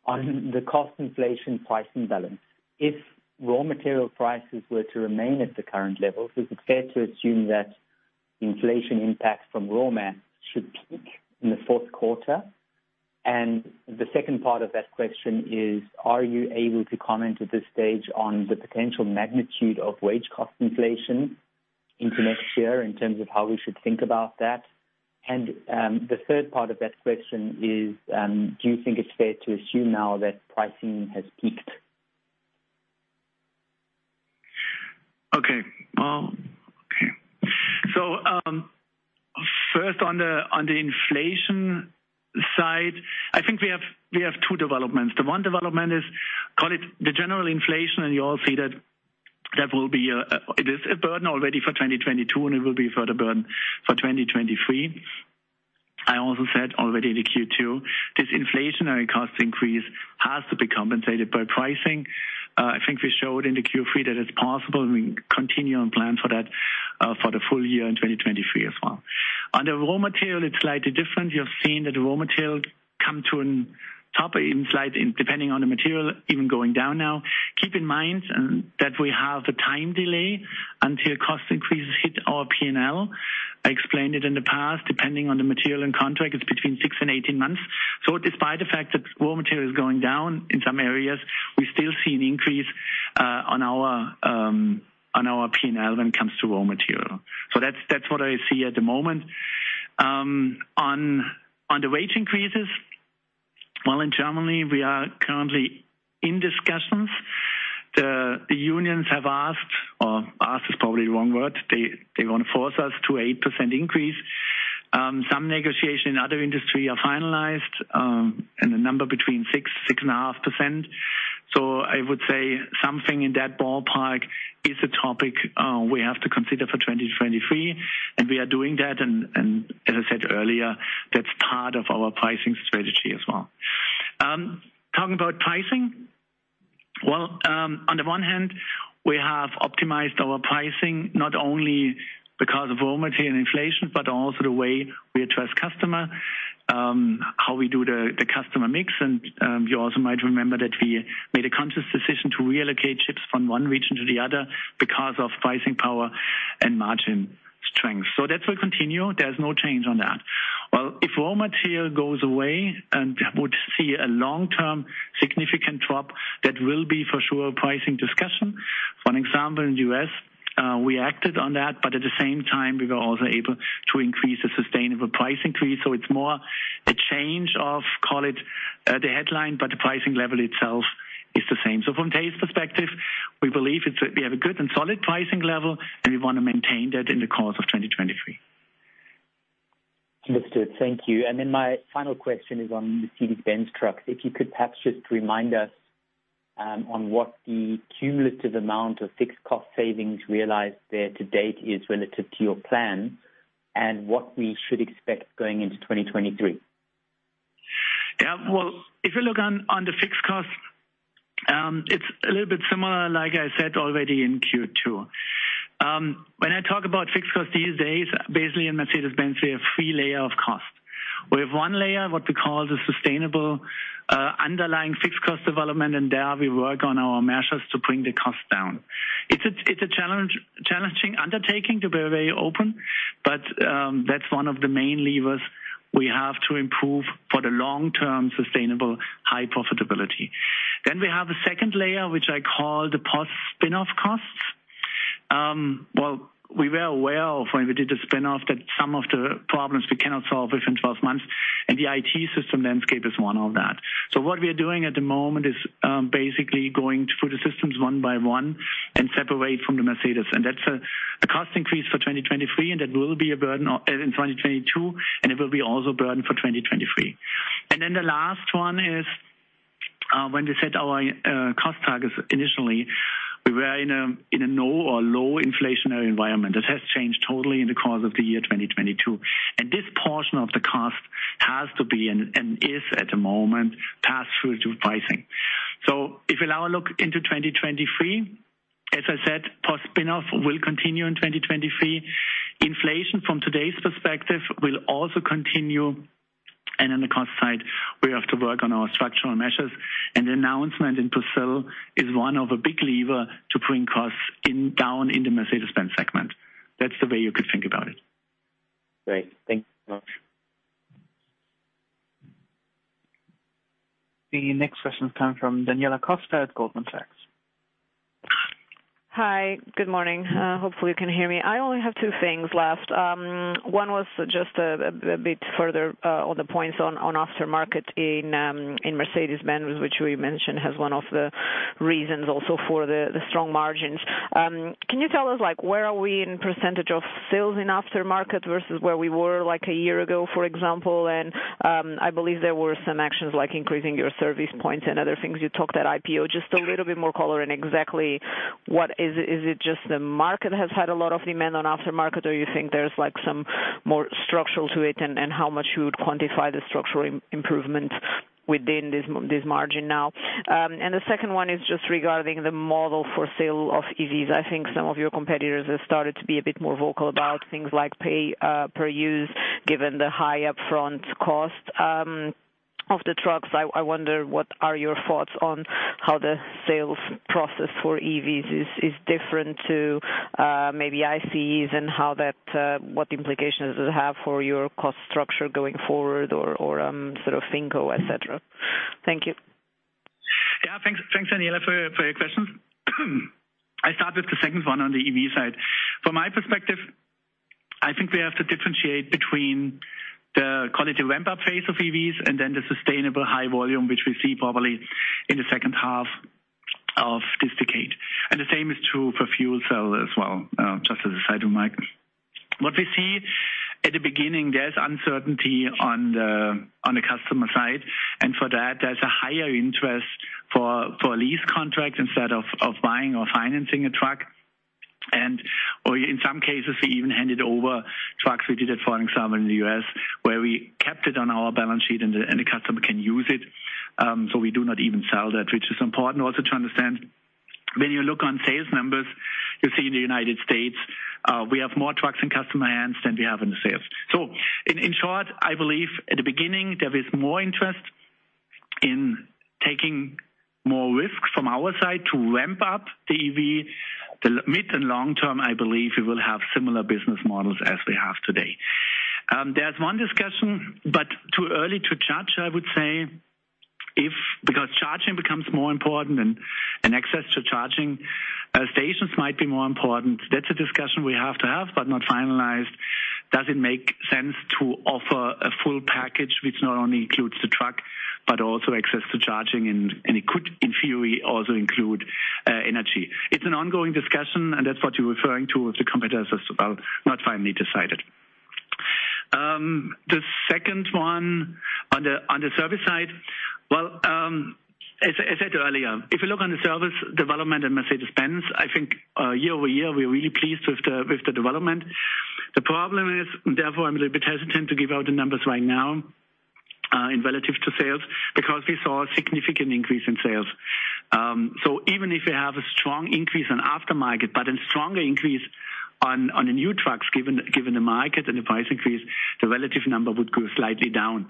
On the cost inflation pricing balance, if raw material prices were to remain at the current level, is it fair to assume that inflation impact from raw mats should peak in the fourth quarter? The second part of that question is, are you able to comment at this stage on the potential magnitude of wage cost inflation into next year in terms of how we should think about that? The third part of that question is, do you think it's fair to assume now that pricing has peaked? First on the inflation side, I think we have two developments. The one development is, call it the general inflation, and you all see that it is a burden already for 2022, and it will be further burden for 2023. I also said already in the Q2, this inflationary cost increase has to be compensated by pricing. I think we showed in the Q3 that it's possible, and we continue and plan for that for the full year in 2023 as well. On the raw material, it's slightly different. You're seeing that the raw material come to a top even slightly, depending on the material, even going down now. Keep in mind that we have the time delay until cost increases hit our P&L. I explained it in the past, depending on the material and contract, it's between six and 18 months. Despite the fact that raw material is going down in some areas, we still see an increase on our P&L when it comes to raw material. That's what I see at the moment. On the wage increases, well, in Germany, we are currently in discussions. The unions have asked, or asked is probably the wrong word. They want to force us to 8% increase. Some negotiation in other industry are finalized, and the number between 6% and 6.5%. I would say something in that ballpark is a topic we have to consider for 2023, and we are doing that. As I said earlier, that's part of our pricing strategy as well. Talking about pricing, on the one hand, we have optimized our pricing not only because of raw material and inflation, but also the way we address customer, how we do the customer mix. You also might remember that we made a conscious decision to reallocate chips from one region to the other because of pricing power and margin strength. That will continue. There's no change on that. If raw material goes away and would see a long-term significant drop, that will be for sure a pricing discussion. For an example, in the U.S., we acted on that, but at the same time we were also able to increase the sustainable price increase. It's more a change of, call it, the headline, but the pricing level itself is the same. From today's perspective, we believe we have a good and solid pricing level, and we want to maintain that in the course of 2023. Understood. Thank you. My final question is on the Mercedes-Benz Trucks. If you could perhaps just remind us on what the cumulative amount of fixed cost savings realized there to date is relative to your plan and what we should expect going into 2023? Yeah. Well, if you look on the fixed cost, it's a little bit similar, like I said already in Q2. When I talk about fixed cost these days, basically in Mercedes-Benz we have three layer of cost. We have one layer, what we call the sustainable underlying fixed cost development, and there we work on our measures to bring the cost down. It's a challenging undertaking to be very open, but that's one of the main levers we have to improve for the long-term sustainable high profitability. Then we have a second layer, which I call the post spin-off costs. Well, we were aware of when we did the spin-off that some of the problems we cannot solve within 12 months, and the IT system landscape is one of that. What we are doing at the moment is basically going through the systems one by one and separately from the Mercedes. That's a cost increase for 2023, and that will be a burden in 2022, and it will be also a burden for 2023. The last one is when we set our cost targets initially, we were in a no or low inflationary environment. That has changed totally in the course of the year 2022. This portion of the cost has to be and is at the moment passed through to pricing. If we now look into 2023, as I said, post spin-off will continue in 2023. Inflation from today's perspective will also continue. On the cost side, we have to work on our structural measures. The announcement in Brazil is one of a big lever to bring costs in, down in the Mercedes-Benz segment. That's the way you could think about it. Great. Thank you very much. The next question is coming from Daniela Costa at Goldman Sachs. Hi. Good morning. Hopefully you can hear me. I only have two things left. One was just a bit further on the points on aftermarket in Mercedes-Benz, which we mentioned has one of the reasons also for the strong margins. Can you tell us, like, where are we in percentage of sales in aftermarket versus where we were like a year ago, for example? I believe there were some actions like increasing your service points and other things. You talked at IPO. Just a little bit more color in exactly what is it. Is it just the market has had a lot of demand on aftermarket, or you think there's like some more structural to it and how much you would quantify the structural improvement within this margin now? The second one is just regarding the model for sale of EVs. I think some of your competitors have started to be a bit more vocal about things like pay per use, given the high upfront cost of the trucks. I wonder what your thoughts are on how the sales process for EVs is different to maybe ICEs and how that what implications does it have for your cost structure going forward or sort of FinCo, et cetera. Thank you. Yeah, thanks. Thanks, Daniela, for your questions. I start with the second one on the EV side. From my perspective, I think we have to differentiate between the quality ramp-up phase of EVs and then the sustainable high volume, which we see probably in the second half of this decade. The same is true for fuel cell as well, just as a side remark. What we see at the beginning, there's uncertainty on the customer side, and for that, there's a higher interest for lease contract instead of buying or financing a truck. Or in some cases, we even handed over trucks. We did it, for example, in the U.S., where we kept it on our balance sheet and the customer can use it. We do not even sell that, which is important also to understand. When you look on sales numbers, you see in the United States, we have more trucks in customer hands than we have in the sales. In short, I believe at the beginning there is more interest in taking more risks from our side to ramp up the EV. The mid and long term, I believe we will have similar business models as we have today. There's one discussion, but too early to judge, I would say. Because charging becomes more important and access to charging stations might be more important. That's a discussion we have to have, but not finalized. Does it make sense to offer a full package which not only includes the truck but also access to charging? It could, in theory, also include energy. It's an ongoing discussion, and that's what you're referring to with the competitors as well, not finally decided. The second one on the service side. Well, as I said earlier, if you look on the service development in Mercedes-Benz, I think, year-over-year we are really pleased with the development. The problem is, therefore I'm a little bit hesitant to give out the numbers right now, in relation to sales, because we saw a significant increase in sales. Even if we have a strong increase in aftermarket, but a stronger increase on the new trucks, given the market and the price increase, the relative number would go slightly down.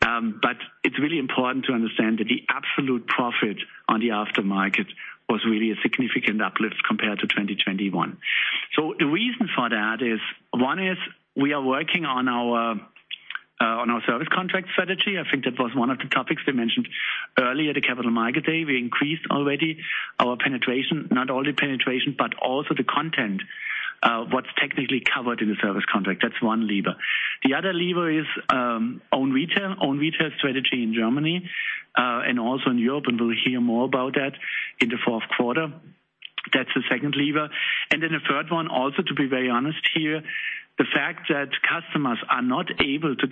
But it's really important to understand that the absolute profit on the aftermarket was really a significant uplift compared to 2021. The reason for that is, one is we are working on our service contract strategy. I think that was one of the topics we mentioned earlier at the Capital Markets Day. We increased already our penetration. Not only penetration, but also the content, what's technically covered in the service contract. That's one lever. The other lever is, own retail. Own retail strategy in Germany, and also in Europe, and we'll hear more about that in the fourth quarter. That's the second lever. Then the third one also, to be very honest here, the fact that customers are not able to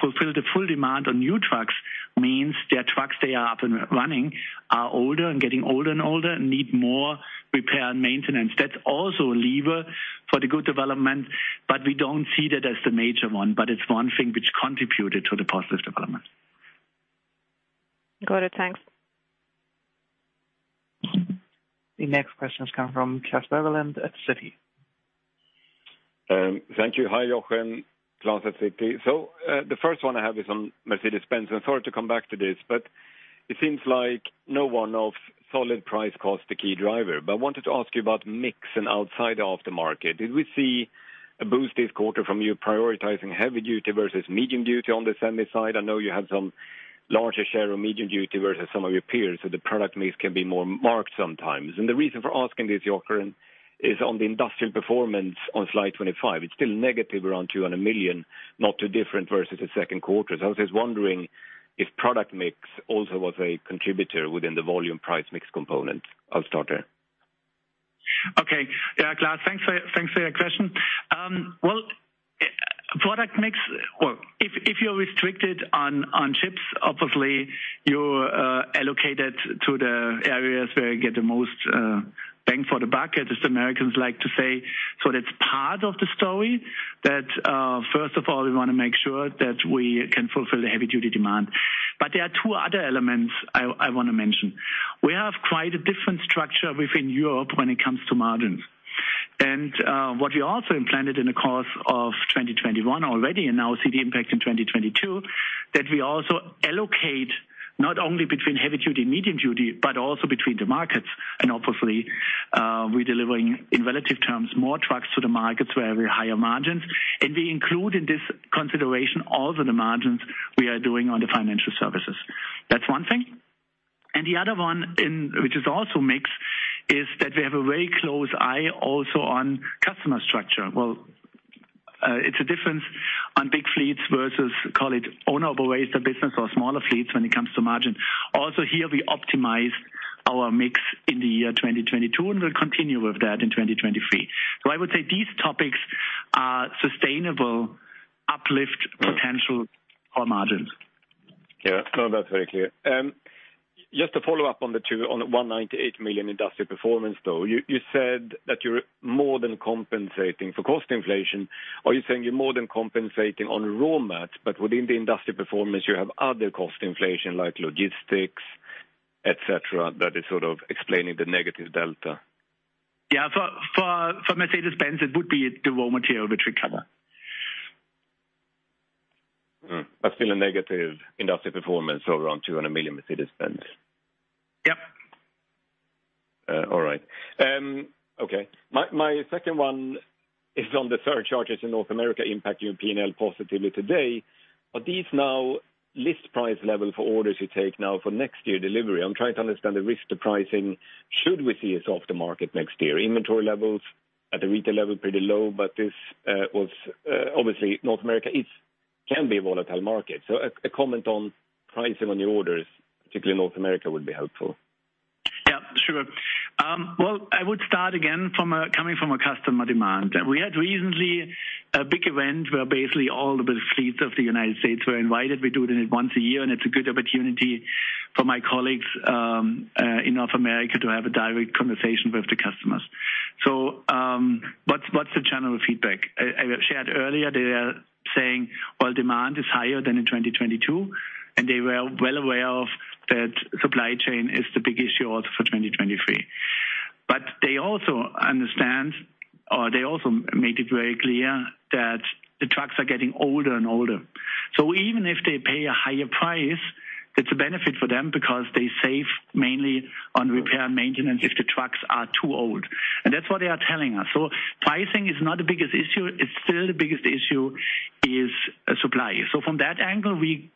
fulfill the full demand on new trucks means their trucks they are up and running are older and getting older and older and need more repair and maintenance. That's also a lever for the good development, but we don't see that as the major one. It's one thing which contributed to the positive development. Got it. Thanks. The next question is coming from Klas Bergelind at Citi. Thank you. Hi, Jochen. Klas at Citi. The first one I have is on Mercedes-Benz. Sorry to come back to this, but it seems like non-volume FX was the key driver. I wanted to ask you about mix and FX outside of the market. Did we see a boost this quarter from you prioritizing heavy duty versus medium duty on the semi side? I know you have some larger share of medium duty versus some of your peers, so the product mix can be more marked sometimes. The reason for asking this, Jochen, is on the industrial performance on slide 25. It's still negative around 200 million, not too different versus the second quarter. I was just wondering if product mix also was a contributor within the volume price mix component. I'll start there. Okay. Yeah, Klas, thanks for your question. Well, product mix. Well, if you're restricted on chips, obviously you allocate it to the areas where you get the most bang for the buck, as us Americans like to say. That's part of the story, that first of all, we want to make sure that we can fulfill the heavy duty demand. There are two other elements I want to mention. We have quite a different structure within Europe when it comes to margins. What we also implemented in the course of 2021 already and now see the impact in 2022, that we also allocate not only between heavy duty and medium duty, but also between the markets. Obviously, we're delivering, in relative terms, more trucks to the markets where we have higher margins. We include in this consideration also the margins we are doing on the financial services. That's one thing. The other one in, which is also mix, is that we have a very close eye also on customer structure. Well, it's a difference on big fleets versus, call it owner-operator business or smaller fleets when it comes to margin. Also here we optimize our mix in the year 2022, and we'll continue with that in 2023. I would say these topics are sustainable uplift potential for margins. Yeah. No, that's very clear. Just to follow up on the 198 million industrial performance, though. You said that you're more than compensating for cost inflation. Are you saying you're more than compensating on raw mats, but within the industrial performance you have other cost inflation like logistics, et cetera, that is sort of explaining the negative delta? Yeah. For Mercedes-Benz it would be the raw material which we cover. Still a negative industrial performance of around 200 million Mercedes-Benz. Yep. My second one is on the surcharges in North America impacting P&L positively today. Are these now list price level for orders you take now for next year delivery? I'm trying to understand the risk to pricing should we see a softer market next year. Inventory levels at the retail level pretty low, but this was obviously North America, it can be a volatile market. A comment on pricing on your orders, particularly North America, would be helpful. Yeah, sure. Well, I would start again, coming from customer demand. We had recently a big event where basically all the big fleets of the United States were invited. We do it once a year, and it's a good opportunity for my colleagues in North America to have a direct conversation with the customers. What's the general feedback? I shared earlier they are saying all demand is higher than in 2022, and they were well aware of that supply chain is the big issue also for 2023. But they also understand, or they also made it very clear that the trucks are getting older and older. Even if they pay a higher price, it's a benefit for them because they save mainly on repair and maintenance if the trucks are too old. That's what they are telling us. Pricing is not the biggest issue. It's still the biggest issue is supply. From that angle, we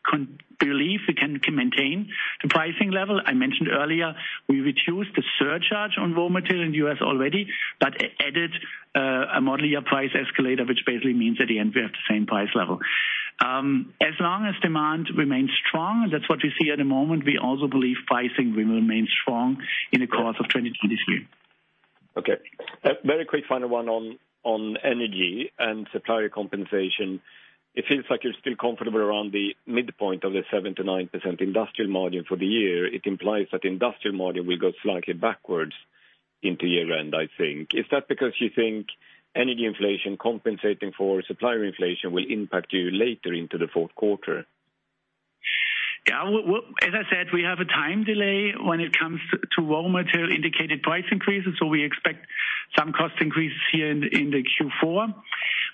believe we can maintain the pricing level. I mentioned earlier, we reduced the surcharge on raw material in the U.S. already, but added a modular price escalator, which basically means at the end we have the same price level. As long as demand remains strong, and that's what we see at the moment, we also believe pricing will remain strong in the course of 2023. Okay. Very quick final one on energy and supplier compensation. It feels like you're still comfortable around the midpoint of the 7%-9% industrial margin for the year. It implies that industrial margin will go slightly backwards into year-end, I think. Is that because you think energy inflation compensating for supplier inflation will impact you later into the fourth quarter? Yeah. As I said, we have a time delay when it comes to raw material input price increases, so we expect some cost increases here in the Q4.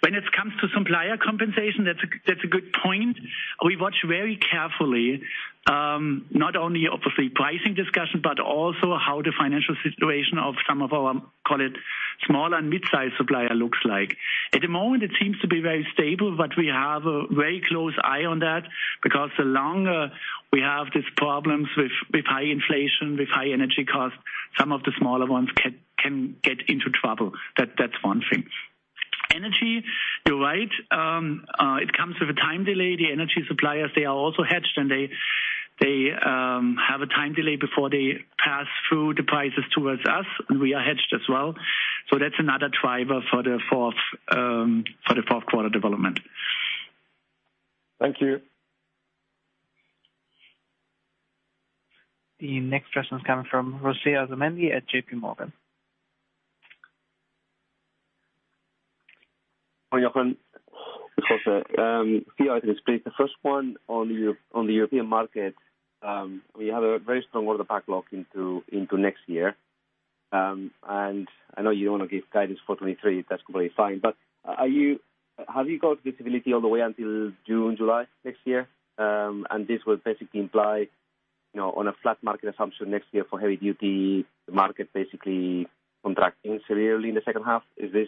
When it comes to supplier compensation, that's a good point. We watch very carefully, not only obviously pricing discussion, but also how the financial situation of some of our, call it small and mid-sized supplier looks like. At the moment, it seems to be very stable, but we have a very close eye on that because the longer we have these problems with high inflation, with high energy costs, some of the smaller ones can get into trouble. That's one thing. Energy, you're right. It comes with a time delay. The energy suppliers, they are also hedged and they have a time delay before they pass through the prices towards us, and we are hedged as well. That's another driver for the fourth quarter development. Thank you. The next question is coming from José Asumendi at JPMorgan. Hi, Jochen Götz. José Asumendi. Three items please. The first one on the European market. We have a very strong order backlog into next year. I know you don't want to give guidance for 2023. That's completely fine. Have you got visibility all the way until June, July next year? This will basically imply, you know, on a flat market assumption next year for heavy duty, the market basically contracting severely in the second half. Is this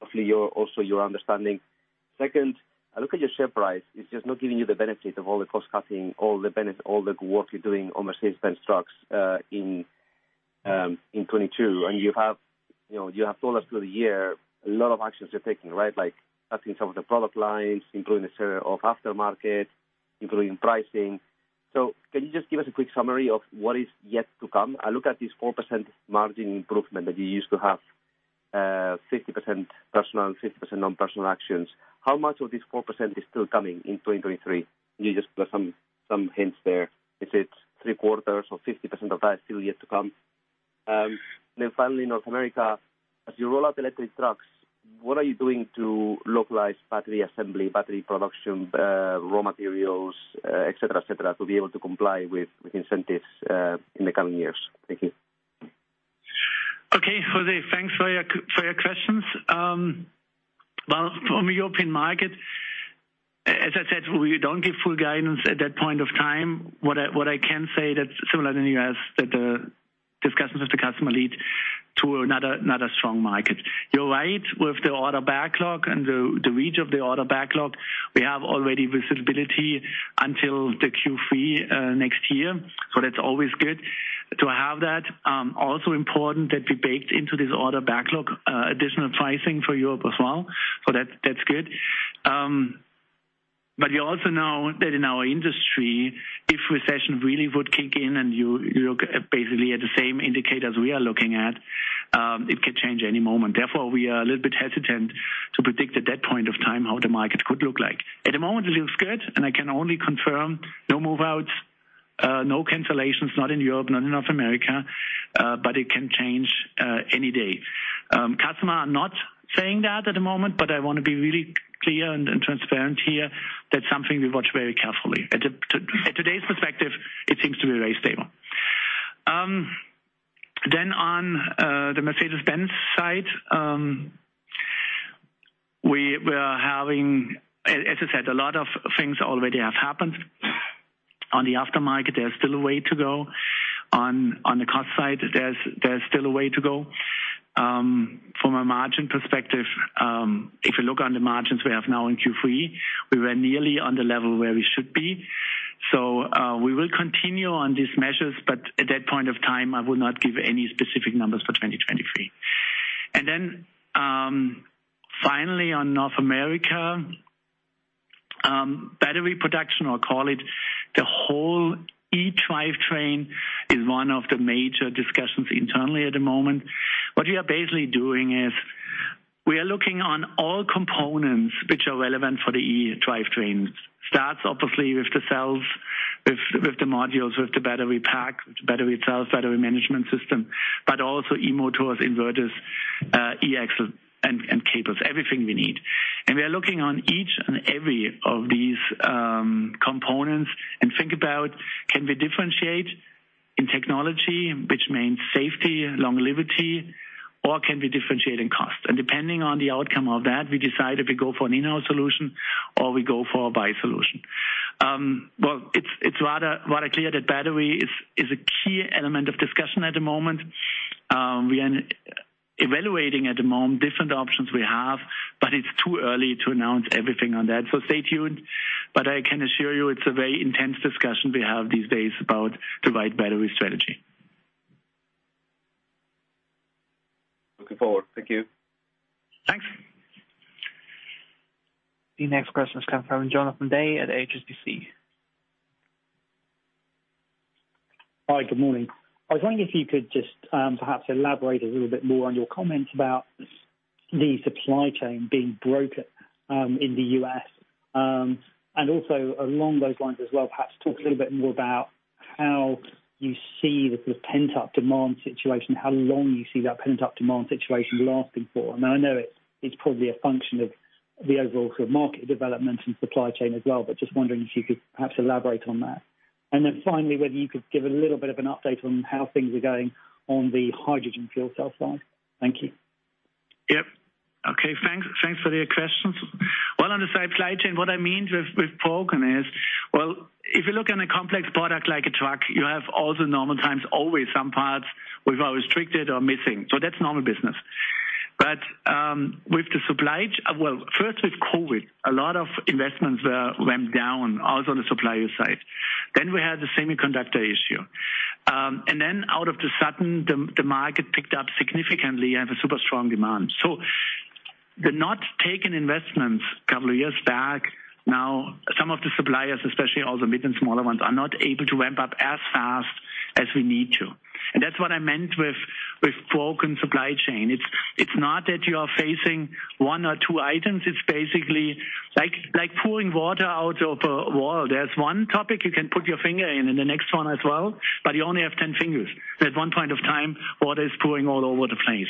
roughly your understanding? Second, I look at your share price. It's just not giving you the benefit of all the cost cutting, all the benefit, all the work you're doing on Mercedes-Benz Trucks in 2022. You have, you know, you have told us through the year a lot of actions you're taking, right? Like cutting some of the product lines, including the sale of aftermarket, including pricing. Can you just give us a quick summary of what is yet to come? I look at this 4% margin improvement that you used to have, 50% personal and 50% non-personnel actions. How much of this 4% is still coming in 2023? Can you just give us some hints there? Is it three-quarters or 50% of that still yet to come? Finally, North America. As you roll out electric trucks, what are you doing to localize battery assembly, battery production, raw materials, et cetera, et cetera, to be able to comply with incentives in the coming years? Thank you. Okay, José, thanks for your questions. Well, from a European market, as I said, we don't give full guidance at that point of time. What I can say that's similar to the U.S., that the discussions with the customer lead to another strong market. You're right, with the order backlog and the reach of the order backlog, we have already visibility until the Q3 next year. That's always good to have that. Also important that we baked into this order backlog additional pricing for Europe as well. That's good. You also know that in our industry, if recession really would kick in and you look at basically the same indicators we are looking at, it could change any moment. Therefore, we are a little bit hesitant to predict at that point of time how the market could look like. At the moment, it looks good, and I can only confirm no move-outs, no cancellations, not in Europe, not in North America, but it can change any day. Customers are not saying that at the moment, but I wanna be really clear and transparent here. That's something we watch very carefully. At today's perspective, it seems to be very stable. On the Mercedes-Benz side, we were having. As I said, a lot of things already have happened. On the aftermarket, there's still a way to go. On the cost side, there's still a way to go. From a margin perspective, if you look on the margins we have now in Q3, we were nearly on the level where we should be. We will continue on these measures, but at that point of time, I would not give any specific numbers for 2023. Finally on North America, battery production or call it the whole e-drivetrain is one of the major discussions internally at the moment. What we are basically doing is. We are looking on all components which are relevant for the e-drivetrain. Starts obviously with the cells, with the modules, with the battery pack, the battery itself, battery management system, but also E-motors, inverters, E-axle and cables, everything we need. We are looking at each and every of these components and think about can we differentiate in technology, which means safety, longevity, or can we differentiate in cost? Depending on the outcome of that, we decide if we go for an in-house solution or we go for a buy solution. It's rather clear that battery is a key element of discussion at the moment. We are evaluating at the moment different options we have, but it's too early to announce everything on that. Stay tuned. I can assure you it's a very intense discussion we have these days about the right battery strategy. Looking forward. Thank you. Thanks. The next question is coming from Jonathan Day at HSBC. Hi. Good morning. I was wondering if you could just, perhaps elaborate a little bit more on your comments about the supply chain being broken, in the U.S. Also along those lines as well, perhaps talk a little bit more about how you see the sort of pent-up demand situation, how long you see that pent-up demand situation lasting for. Now, I know it's probably a function of the overall sort of market development and supply chain as well, but just wondering if you could perhaps elaborate on that. Then finally, whether you could give a little bit of an update on how things are going on the hydrogen fuel cell side. Thank you. Yep. Okay. Thanks, thanks for your questions. Well, on the supply chain, what I mean with broken is, well, if you look at a complex product like a truck, you have all the normal times always some parts which are restricted or missing. So that's normal business. Well, first with COVID, a lot of investments went down, also on the supplier side. Then we had the semiconductor issue. And then all of a sudden, the market picked up significantly and have a super strong demand. So the not taken investments a couple of years back, now some of the suppliers, especially all the mid and smaller ones, are not able to ramp up as fast as we need to. And that's what I meant with broken supply chain. It's not that you are facing one or two items. It's basically like pouring water out of a wall. There's one topic you can put your finger in, and the next one as well, but you only have 10 fingers. At one point of time, water is pouring all over the place.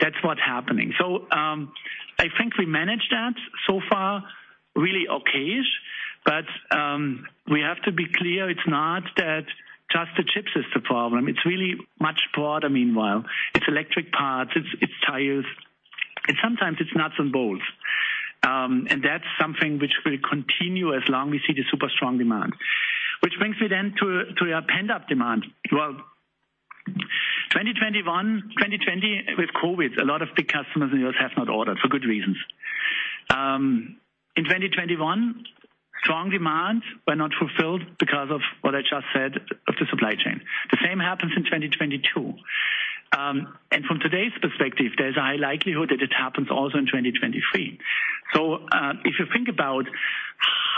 That's what's happening. I think we managed that so far really okay-ish. We have to be clear, it's not that just the chips is the problem. It's really much broader meanwhile. It's electric parts, it's tires, and sometimes it's nuts and bolts. And that's something which will continue as long as we see the super strong demand. Which brings me then to your pent-up demand. Well, 2021, 2020 with COVID, a lot of big customers in the U.S. have not ordered for good reasons. In 2021, strong demands were not fulfilled because of what I just said of the supply chain. The same happens in 2022. From today's perspective, there's a high likelihood that it happens also in 2023. If you think about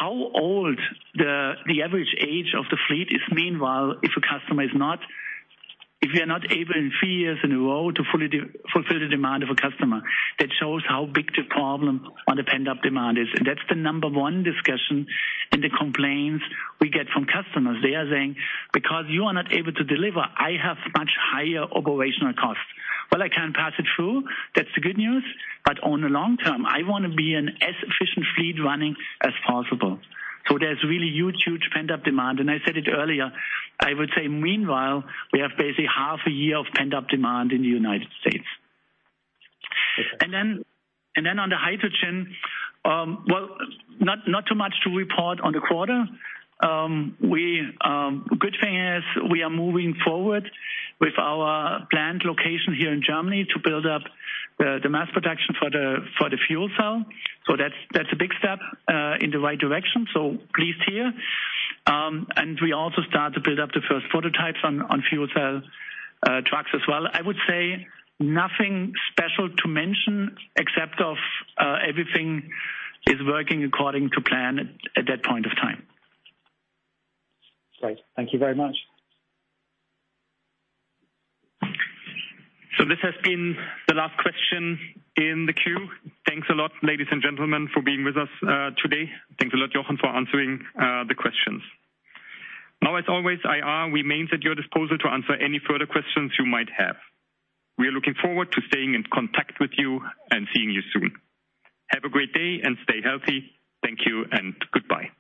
how old the average age of the fleet is, meanwhile, if you're not able in three years in a row to fully fulfill the demand of a customer, that shows how big the problem on the pent-up demand is. That's the number one discussion in the complaints we get from customers. They are saying, "Because you are not able to deliver, I have much higher operational costs." Well, I can't pass it through. That's the good news. But on the long term, I want to be an as efficient fleet running as possible. There's really huge pent-up demand. I said it earlier, I would say meanwhile, we have basically half a year of pent-up demand in the United States. Okay. On the hydrogen, not too much to report on the quarter. Good thing is we are moving forward with our planned location here in Germany to build up the mass production for the fuel cell. That's a big step in the right direction. Pleased here. We also start to build up the first prototypes on fuel cell trucks as well. I would say nothing special to mention except everything is working according to plan at that point of time. Great. Thank you very much. This has been the last question in the queue. Thanks a lot, ladies and gentlemen, for being with us, today. Thanks a lot, Jochen, for answering, the questions. Now, as always, IR remains at your disposal to answer any further questions you might have. We are looking forward to staying in contact with you and seeing you soon. Have a great day and stay healthy. Thank you and goodbye.